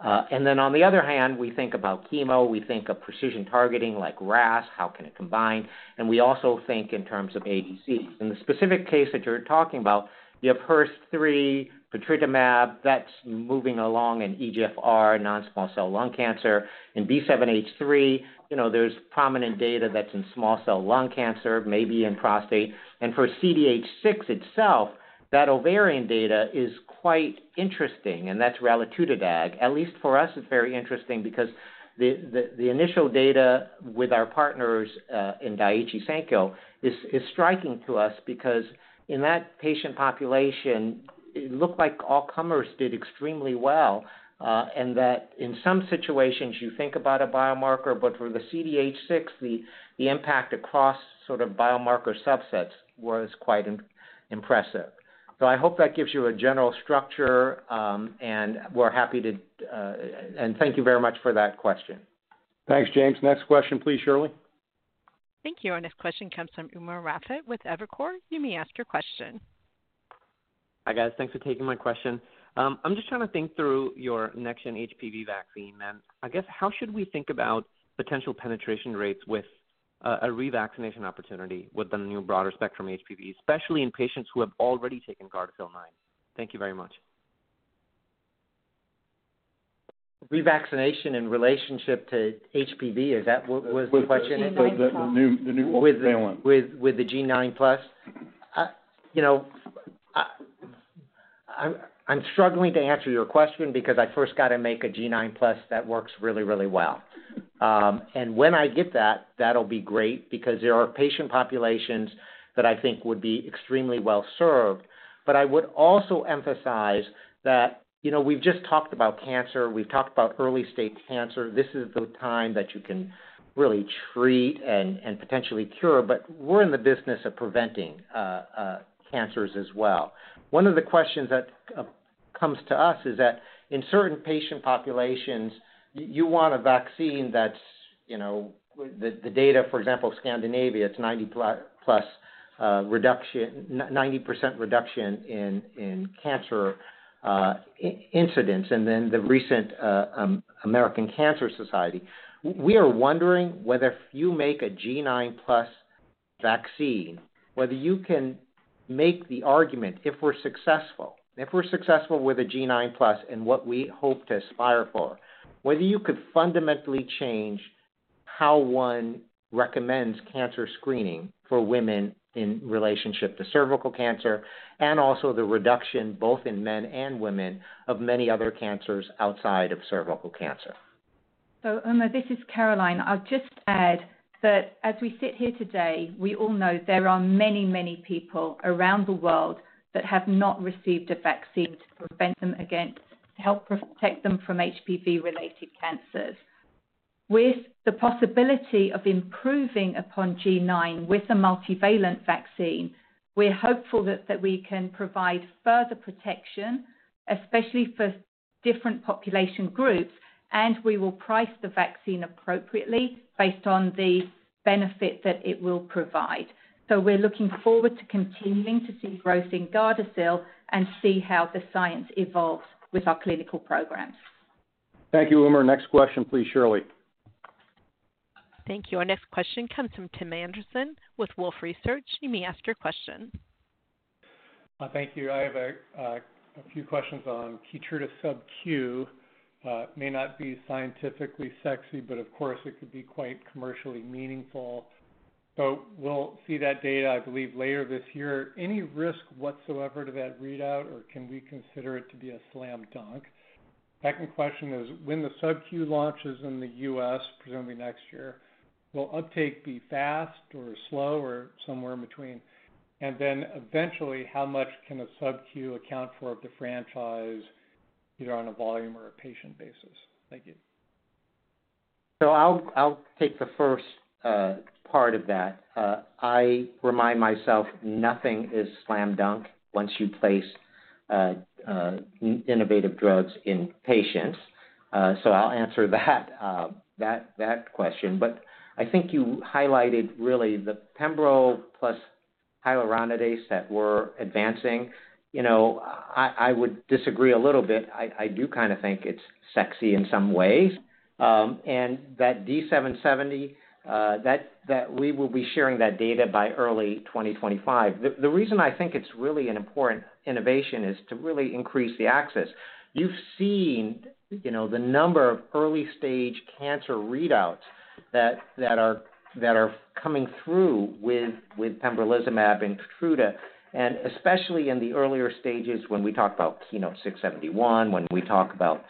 And then on the other hand, we think about chemo. We think of precision targeting like RAS. How can it combine? And we also think in terms of ADCs. In the specific case that you're talking about, you have HER3, patritumab. That's moving along in EGFR, non-small cell lung cancer, in B7-H3. There's prominent data that's in small cell lung cancer, maybe in prostate. And for CDH6 itself, that ovarian data is quite interesting, and that's raludotatug deruxtecan. At least for us, it's very interesting because the initial data with our partners in Daiichi Sankyo is striking to us because in that patient population, it looked like all-comers did extremely well and that in some situations, you think about a biomarker, but for the CDH6, the impact across sort of biomarker subsets was quite impressive. So I hope that gives you a general structure, and we're happy to and thank you very much for that question. Thanks, James. Next question, please, Shirley. Thank you. Our next question comes from Umer Raffat with Evercore. You may ask your question. Hi, guys. Thanks for taking my question. I'm just trying to think through your next-gen HPV vaccine demand. I guess how should we think about potential penetration rates with a revaccination opportunity with the new broader spectrum HPV, especially in patients who have already taken GARDASIL 9? Thank you very much. Revaccination in relationship to HPV, was the question? The new. With the G9 Plus? I'm struggling to answer your question because I first got to make a G9 Plus that works really, really well. And when I get that, that'll be great because there are patient populations that I think would be extremely well served. But I would also emphasize that we've just talked about cancer. We've talked about early-stage cancer. This is the time that you can really treat and potentially cure, but we're in the business of preventing cancers as well. One of the questions that comes to us is that in certain patient populations, you want a vaccine that's the data, for example, Scandinavia, it's a 90% reduction in cancer incidence, and then the recent American Cancer Society. We are wondering whether, if you make a G9 Plus vaccine, whether you can make the argument if we're successful, if we're successful with a G9 Plus and what we hope to aspire for, whether you could fundamentally change how one recommends cancer screening for women in relationship to cervical cancer and also the reduction both in men and women of many other cancers outside of cervical cancer. So Umer, this is Caroline. I'll just add that as we sit here today, we all know there are many, many people around the world that have not received a vaccine to prevent them against to help protect them from HPV-related cancers. With the possibility of improving upon G9 with a multivalent vaccine, we're hopeful that we can provide further protection, especially for different population groups, and we will price the vaccine appropriately based on the benefit that it will provide. So we're looking forward to continuing to see growth in GARDASIL and see how the science evolves with our clinical programs. Thank you, Umer. Next question, please, Shirley. Thank you. Our next question comes from Tim Anderson with Wolfe Research. You may ask your question. Thank you. I have a few questions on KEYTRUDA sub-Q. It may not be scientifically sexy, but of course, it could be quite commercially meaningful. So we'll see that data, I believe, later this year. Any risk whatsoever to that readout, or can we consider it to be a slam dunk? Second question is, when the sub-Q launches in the U.S., presumably next year, will uptake be fast or slow or somewhere in between? And then eventually, how much can a sub-Q account for of the franchise either on a volume or a patient basis? Thank you. So I'll take the first part of that. I remind myself nothing is slam dunk once you place innovative drugs in patients. So I'll answer that question. But I think you highlighted really the pembrolizumab plus hyaluronidase that we're advancing. I would disagree a little bit. I do kind of think it's sexy in some ways. And that D77, we will be sharing that data by early 2025. The reason I think it's really an important innovation is to really increase the access. You've seen the number of early-stage cancer readouts that are coming through with pembrolizumab and KEYTRUDA, and especially in the earlier stages when we talk about KEYNOTE-671, when we talk about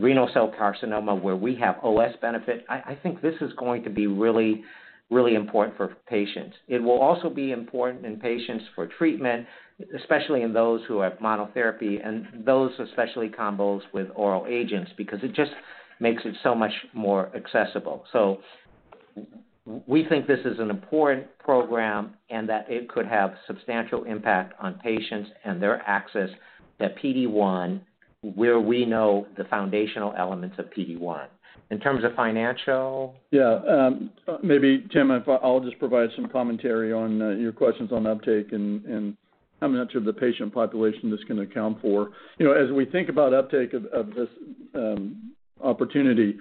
renal cell carcinoma where we have OS benefit. I think this is going to be really, really important for patients. It will also be important in patients for treatment, especially in those who have monotherapy and those especially combos with oral agents because it just makes it so much more accessible. So we think this is an important program and that it could have substantial impact on patients and their access. That PD-1, where we know the foundational elements of PD-1. In terms of financial? Yeah. Maybe, Tim, I'll just provide some commentary on your questions on uptake and I'm not sure the patient population this can account for. As we think about uptake of this opportunity,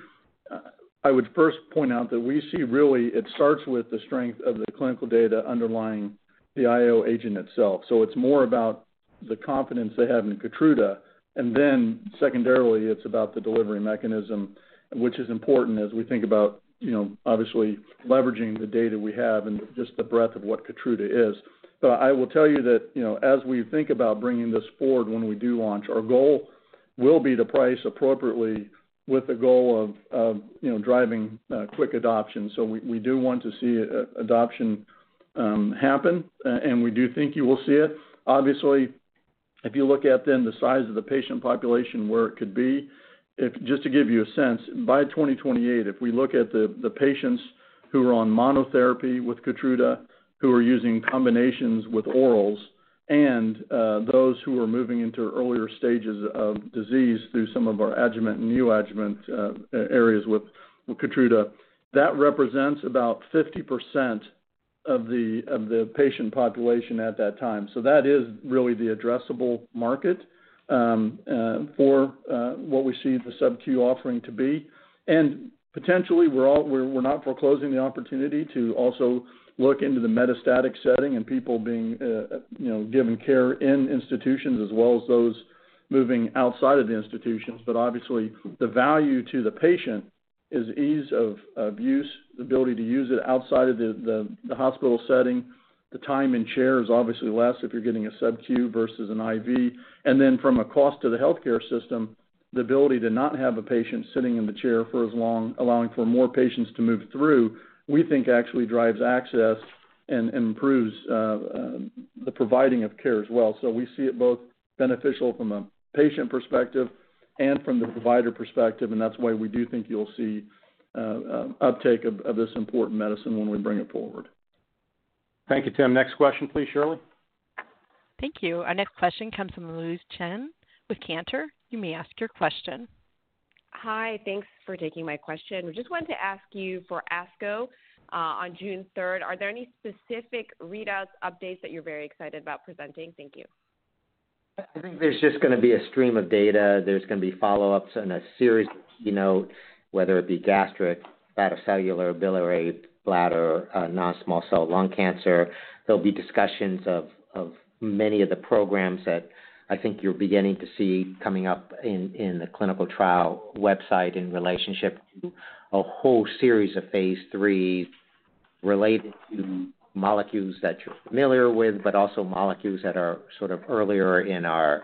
I would first point out that we see really it starts with the strength of the clinical data underlying the IO agent itself. So it's more about the confidence they have in KEYTRUDA, and then secondarily, it's about the delivery mechanism, which is important as we think about, obviously, leveraging the data we have and just the breadth of what KEYTRUDA is. But I will tell you that as we think about bringing this forward when we do launch, our goal will be to price appropriately with the goal of driving quick adoption. So we do want to see adoption happen, and we do think you will see it. Obviously, if you look at then the size of the patient population where it could be, just to give you a sense, by 2028, if we look at the patients who are on monotherapy with KEYTRUDA, who are using combinations with orals, and those who are moving into earlier stages of disease through some of our adjuvant and neoadjuvant areas with KEYTRUDA, that represents about 50% of the patient population at that time. So that is really the addressable market for what we see the sub-Q offering to be. And potentially, we're not foreclosing the opportunity to also look into the metastatic setting and people being given care in institutions as well as those moving outside of the institutions. But obviously, the value to the patient is ease of use, the ability to use it outside of the hospital setting. The time in chair is obviously less if you're getting a sub-Q versus an IV. And then from a cost to the healthcare system, the ability to not have a patient sitting in the chair for as long, allowing for more patients to move through, we think actually drives access and improves the providing of care as well. So we see it both beneficial from a patient perspective and from the provider perspective. And that's why we do think you'll see uptake of this important medicine when we bring it forward. Thank you, Tim. Next question, please, Shirley. Thank you. Our next question comes from Louise Chen with Cantor. You may ask your question. Hi. Thanks for taking my question. We just wanted to ask you for ASCO on June 3rd. Are there any specific readouts, updates that you're very excited about presenting? Thank you. I think there's just going to be a stream of data. There's going to be follow-ups and a series of KEYNOTE, whether it be gastric, hepatocellular, biliary, bladder, non-small cell lung cancer. There'll be discussions of many of the programs that I think you're beginning to see coming up in the clinical trial website in relationship to a whole series of phase threes related to molecules that you're familiar with, but also molecules that are sort of earlier in our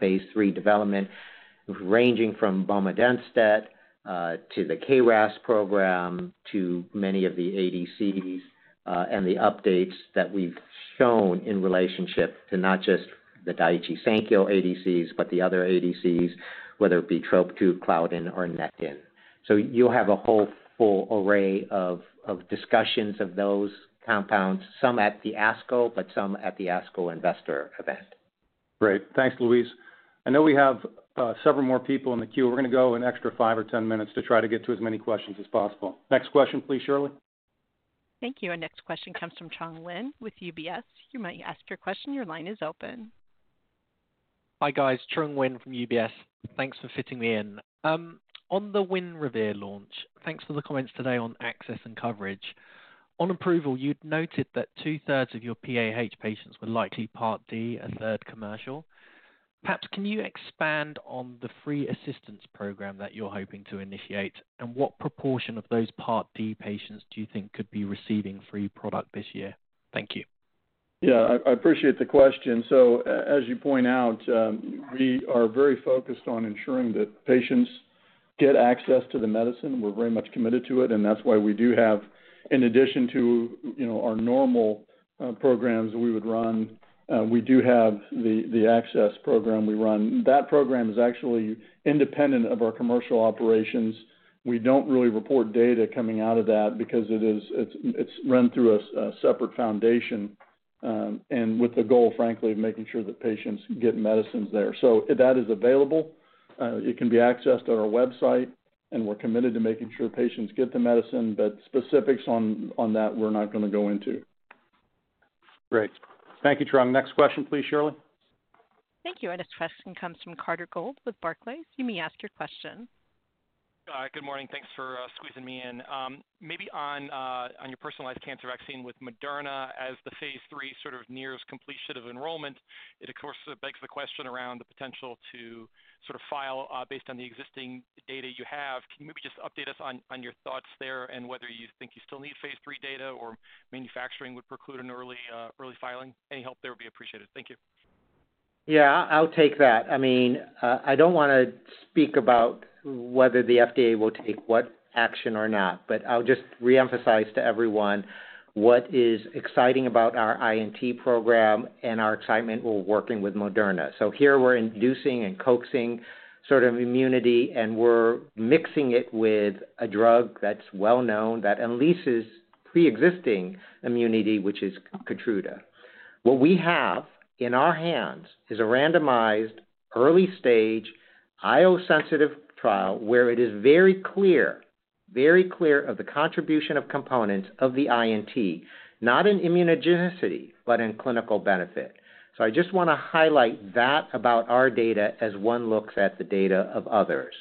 phase three development, ranging from bomedemstat to the KRAS program to many of the ADCs and the updates that we've shown in relationship to not just the Daiichi Sankyo ADCs, but the other ADCs, whether it be TROP2, Claudin, or Nectin. So you'll have a whole full array of discussions of those compounds, some at the ASCO, but some at the ASCO Investor event. Great. Thanks, Louise. I know we have several more people in the queue. We're going to go an extra 5 or 10 minutes to try to get to as many questions as possible. Next question, please, Shirley. Thank you. Our next question comes from Trung Huynh with UBS. You may ask your question. Your line is open. Hi, guys. Trung Huynh from UBS. Thanks for fitting me in. On the WINREVAIR launch, thanks for the comments today on access and coverage. On approval, you'd noted that two-thirds of your PAH patients were likely Part D, a third commercial. Perhaps can you expand on the free assistance program that you're hoping to initiate, and what proportion of those Part D patients do you think could be receiving free product this year? Thank you. Yeah. I appreciate the question. So as you point out, we are very focused on ensuring that patients get access to the medicine. We're very much committed to it, and that's why we do have in addition to our normal programs we would run, we do have the access program we run. That program is actually independent of our commercial operations. We don't really report data coming out of that because it's run through a separate foundation and with the goal, frankly, of making sure that patients get medicines there. So that is available. It can be accessed on our website, and we're committed to making sure patients get the medicine, but specifics on that, we're not going to go into. Great. Thank you, Trung. Next question, please, Shirley. Thank you. Our next question comes from Carter Gould with Barclays. You may ask your question. Hi, good morning. Thanks for squeezing me in. Maybe on your personalized cancer vaccine with Moderna, as the phase III sort of nears completion of enrollment, it, of course, begs the question around the potential to sort of file based on the existing data you have. Can you maybe just update us on your thoughts there and whether you think you still need phase III data or manufacturing would preclude an early filing? Any help there would be appreciated. Thank you. Yeah, I'll take that. I mean, I don't want to speak about whether the FDA will take what action or not, but I'll just reemphasize to everyone what is exciting about our INT program and our excitement while working with Moderna. So here we're inducing and coaxing sort of immunity, and we're mixing it with a drug that's well known that unleashes pre-existing immunity, which is KEYTRUDA. What we have in our hands is a randomized early-stage IO-sensitive trial where it is very clear, very clear of the contribution of components of the INT, not in immunogenicity, but in clinical benefit. So I just want to highlight that about our data as one looks at the data of others.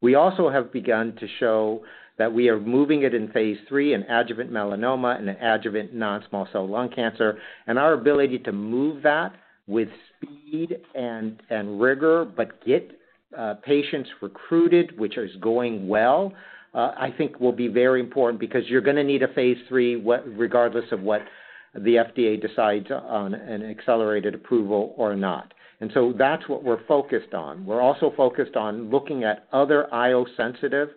We also have begun to show that we are moving it in phase III in adjuvant melanoma and adjuvant non-small cell lung cancer, and our ability to move that with speed and rigor, but get patients recruited, which is going well, I think will be very important because you're going to need a phase III regardless of what the FDA decides on an accelerated approval or not. And so that's what we're focused on. We're also focused on looking at other IO-sensitive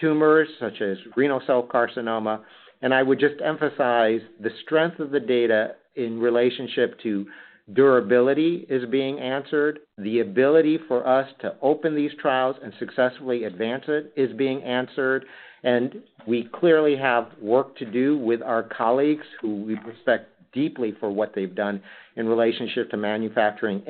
tumors such as renal cell carcinoma. And I would just emphasize the strength of the data in relationship to durability is being answered. The ability for us to open these trials and successfully advance it is being answered. And we clearly have work to do with our colleagues who we respect deeply for what they've done in relationship to manufacturing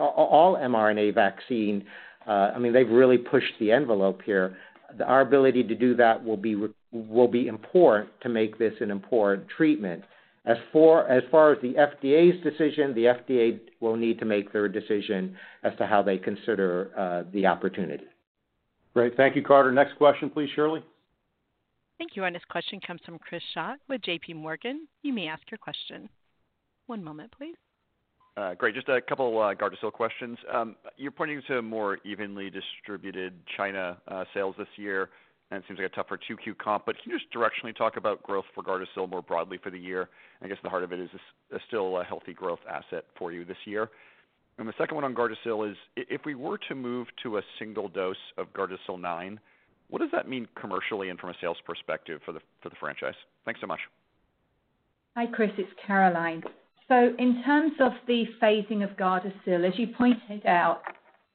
all mRNA vaccine. I mean, they've really pushed the envelope here. Our ability to do that will be important to make this an important treatment. As far as the FDA's decision, the FDA will need to make their decision as to how they consider the opportunity. Great. Thank you, Carter. Next question, please, Shirley. Thank you. Our next question comes from Chris Schott with JP Morgan. You may ask your question. One moment, please. Great. Just a couple of GARDASIL questions. You're pointing to more evenly distributed China sales this year, and it seems like a tougher 2Q comp. But can you just directionally talk about growth for GARDASIL more broadly for the year? I guess the heart of it is still a healthy growth asset for you this year. And the second one on GARDASIL is, if we were to move to a single dose of GARDASIL 9, what does that mean commercially and from a sales perspective for the franchise? Thanks so much. Hi, Chris. It's Caroline. So in terms of the phasing of GARDASIL, as you pointed out,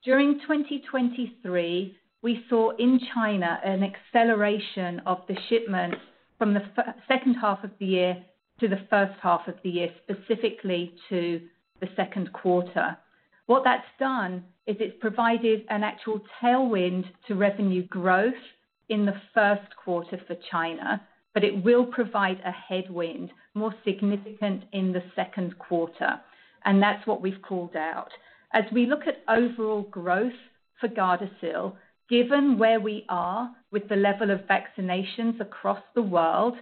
during 2023, we saw in China an acceleration of the shipment from the second half of the year to the first half of the year, specifically to the second quarter. What that's done is it's provided an actual tailwind to revenue growth in the first quarter for China, but it will provide a headwind more significant in the second quarter. And that's what we've called out. As we look at overall growth for GARDASIL, given where we are with the level of vaccinations across the world,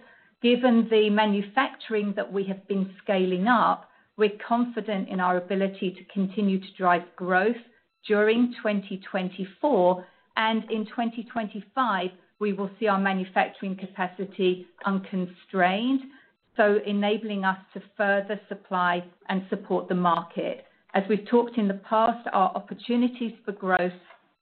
given the manufacturing that we have been scaling up, we're confident in our ability to continue to drive growth during 2024. And in 2025, we will see our manufacturing capacity unconstrained, so enabling us to further supply and support the market. As we've talked in the past, our opportunities for growth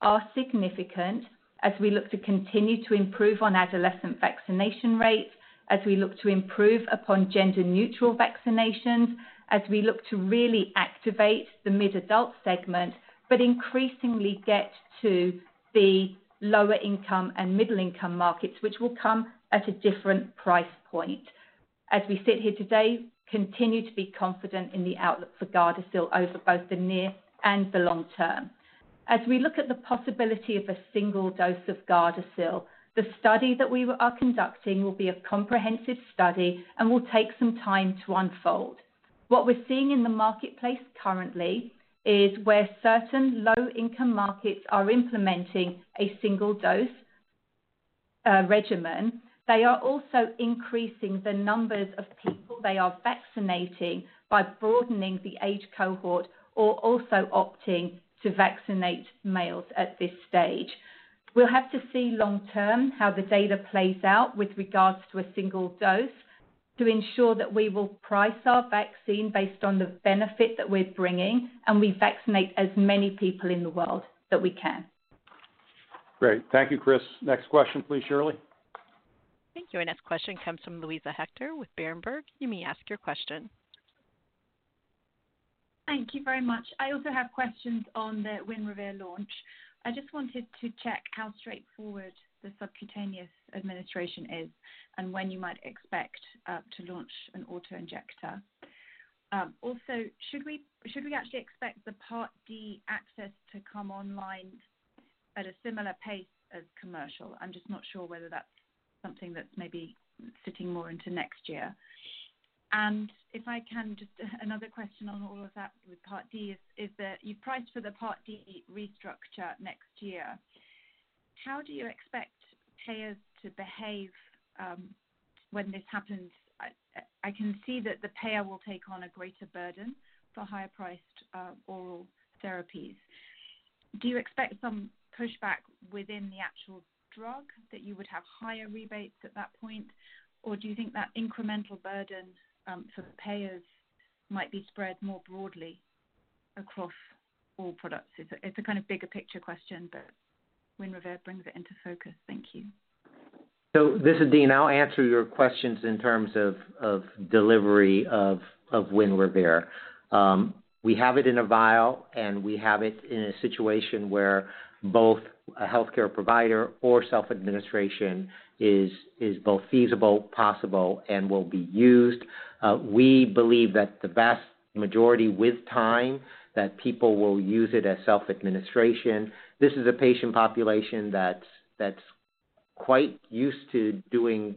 are significant as we look to continue to improve on adolescent vaccination rates, as we look to improve upon gender-neutral vaccinations, as we look to really activate the mid-adult segment, but increasingly get to the lower-income and middle-income markets, which will come at a different price point. As we sit here today, continue to be confident in the outlook for GARDASIL over both the near and the long term. As we look at the possibility of a single dose of GARDASIL, the study that we are conducting will be a comprehensive study and will take some time to unfold. What we're seeing in the marketplace currently is where certain low-income markets are implementing a single dose regimen. They are also increasing the numbers of people they are vaccinating by broadening the age cohort or also opting to vaccinate males at this stage. We'll have to see long-term how the data plays out with regards to a single dose to ensure that we will price our vaccine based on the benefit that we're bringing and we vaccinate as many people in the world that we can. Great. Thank you, Chris. Next question, please, Shirley. Thank you. Our next question comes from Luisa Hector with Berenberg. You may ask your question. Thank you very much. I also have questions on the WINREVAIR launch. I just wanted to check how straightforward the subcutaneous administration is and when you might expect to launch an autoinjector. Also, should we actually expect the Part D access to come online at a similar pace as commercial? I'm just not sure whether that's something that's maybe sitting more into next year. And if I can, just another question on all of that with Part D is that you've priced for the Part D restructure next year. How do you expect payers to behave when this happens? I can see that the payer will take on a greater burden for higher-priced oral therapies. Do you expect some pushback within the actual drug that you would have higher rebates at that point, or do you think that incremental burden for payers might be spread more broadly across all products? It's a kind of bigger picture question, but WINREVAIR brings it into focus. Thank you. So this is Dean. I'll answer your questions in terms of delivery of WINREVAIR. We have it in a vial, and we have it in a situation where both a healthcare provider or self-administration is both feasible, possible, and will be used. We believe that the vast majority with time that people will use it as self-administration. This is a patient population that's quite used to doing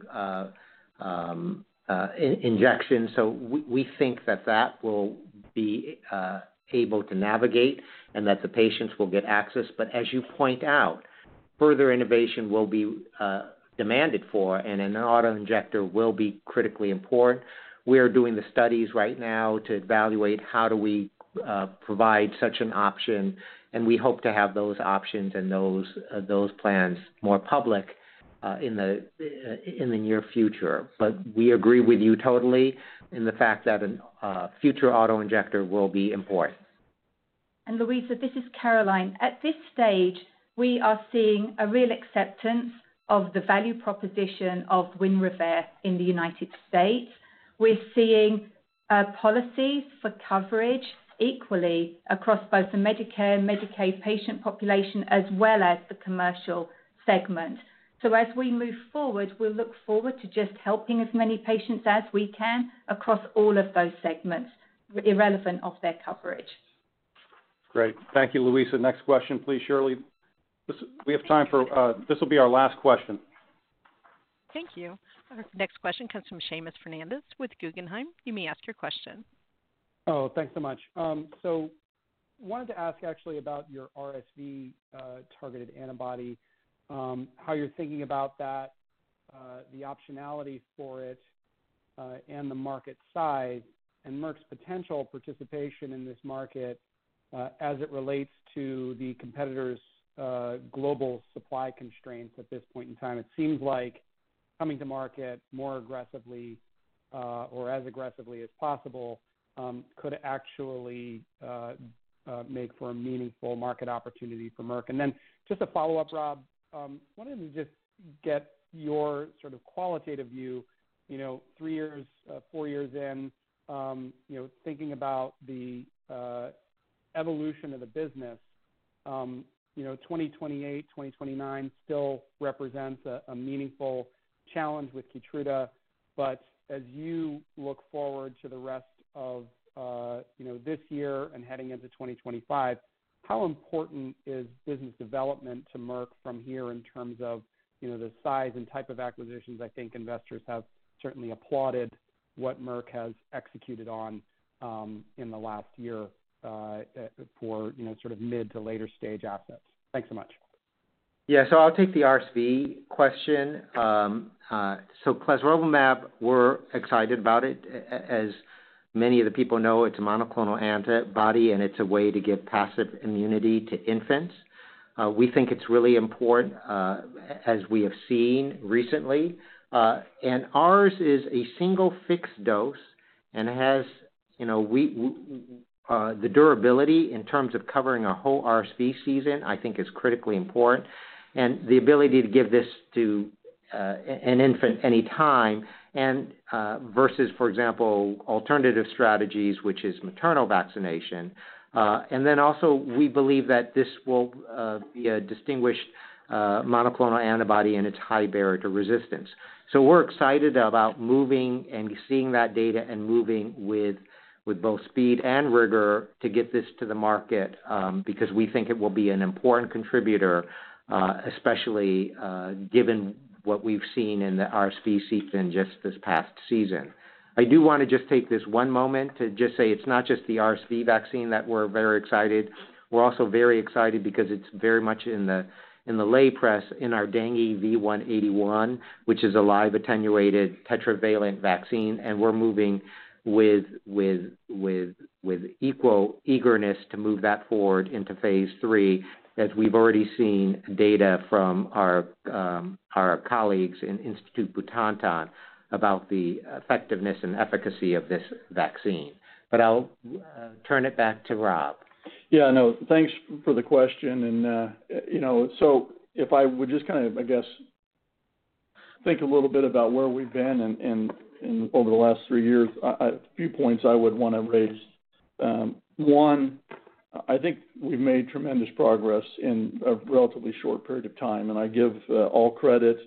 injections, so we think that that will be able to navigate and that the patients will get access. But as you point out, further innovation will be demanded for, and an autoinjector will be critically important. We are doing the studies right now to evaluate how do we provide such an option, and we hope to have those options and those plans more public in the near future. We agree with you totally in the fact that a future autoinjector will be important. Luisa, this is Caroline. At this stage, we are seeing a real acceptance of the value proposition of WINREVAIR in the United States. We're seeing policies for coverage equally across both the Medicare, Medicaid patient population, as well as the commercial segment. So as we move forward, we'll look forward to just helping as many patients as we can across all of those segments. Regardless of their coverage. Great. Thank you, Luisa. Next question, please, Shirley. We have time for this will be our last question. Thank you. Our next question comes from Seamus Fernandez with Guggenheim. You may ask your question. Oh, thanks so much. So wanted to ask actually about your RSV targeted antibody, how you're thinking about that, the optionality for it, and the market size and Merck's potential participation in this market as it relates to the competitor's global supply constraints at this point in time. It seems like coming to market more aggressively or as aggressively as possible could actually make for a meaningful market opportunity for Merck. And then just a follow-up, Rob. Wanted to just get your sort of qualitative view. Three years, four years in, thinking about the evolution of the business, 2028, 2029 still represents a meaningful challenge with KEYTRUDA. But as you look forward to the rest of this year and heading into 2025, how important is business development to Merck from here in terms of the size and type of acquisitions? I think investors have certainly applauded what Merck has executed on in the last year for sort of mid to later stage assets. Thanks so much. Yeah. So I'll take the RSV question. So clesrovimab, we're excited about it. As many of the people know, it's a monoclonal antibody, and it's a way to give passive immunity to infants. We think it's really important as we have seen recently. And ours is a single fixed dose, and it has the durability in terms of covering a whole RSV season, I think, is critically important, and the ability to give this to an infant anytime versus, for example, alternative strategies, which is maternal vaccination. And then also, we believe that this will be a distinguished monoclonal antibody in its high barrier to resistance. So we're excited about moving and seeing that data and moving with both speed and rigor to get this to the market because we think it will be an important contributor, especially given what we've seen in the RSV season just this past season. I do want to just take this one moment to just say it's not just the RSV vaccine that we're very excited. We're also very excited because it's very much in the lay press in our Dengue V181, which is a live attenuated tetravalent vaccine. And we're moving with equal eagerness to move that forward into phase III as we've already seen data from our colleagues in Instituto Butantan about the effectiveness and efficacy of this vaccine. But I'll turn it back to Rob. Yeah. No. Thanks for the question. And so if I would just kind of, I guess, think a little bit about where we've been over the last three years, a few points I would want to raise. One, I think we've made tremendous progress in a relatively short period of time. And I give all credit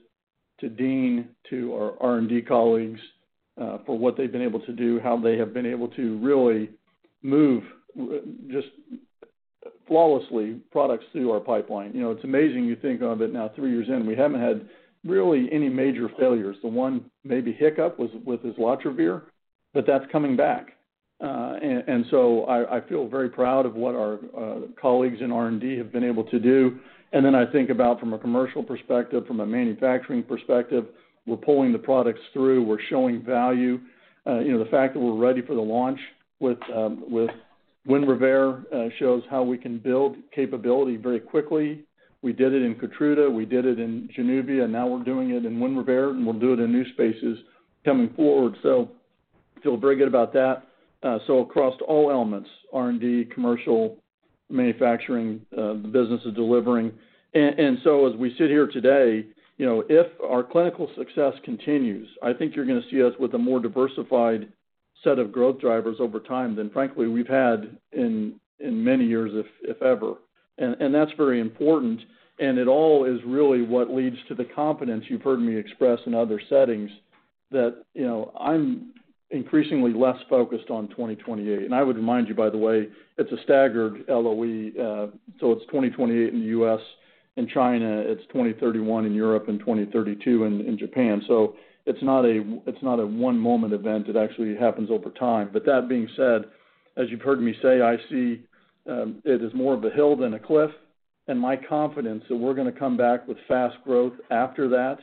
to Dean, to our R&D colleagues for what they've been able to do, how they have been able to really move just flawlessly products through our pipeline. It's amazing you think of it now, three years in. We haven't had really any major failures. The one maybe hiccup was with islatravir, but that's coming back. And so I feel very proud of what our colleagues in R&D have been able to do. And then I think about from a commercial perspective, from a manufacturing perspective, we're pulling the products through. We're showing value. The fact that we're ready for the launch with WINREVAIR shows how we can build capability very quickly. We did it in KEYTRUDA. We did it in JANUVIA. Now we're doing it in WINREVAIR, and we'll do it in new spaces coming forward. So feel very good about that. So across all elements, R&D, commercial, manufacturing, the business is delivering. And so as we sit here today, if our clinical success continues, I think you're going to see us with a more diversified set of growth drivers over time than, frankly, we've had in many years, if ever. And that's very important. And it all is really what leads to the confidence you've heard me express in other settings that I'm increasingly less focused on 2028. And I would remind you, by the way, it's a staggered LOE. So it's 2028 in the U.S. In China, it's 2031, in Europe, and 2032 in Japan. So it's not a one-moment event. It actually happens over time. But that being said, as you've heard me say, I see it as more of a hill than a cliff. And my confidence that we're going to come back with fast growth after that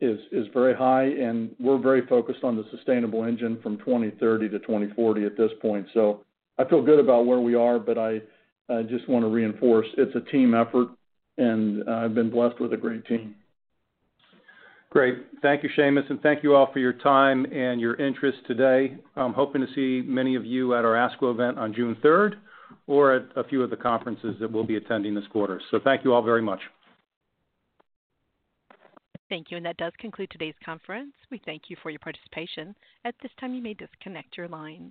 is very high. And we're very focused on the sustainable engine from 2030-2040 at this point. So I feel good about where we are, but I just want to reinforce it's a team effort, and I've been blessed with a great team. Great. Thank you, Seamus. Thank you all for your time and your interest today. I'm hoping to see many of you at our ASCO event on June 3rd or at a few of the conferences that we'll be attending this quarter. Thank you all very much. Thank you. That does conclude today's conference. We thank you for your participation. At this time, you may disconnect your line.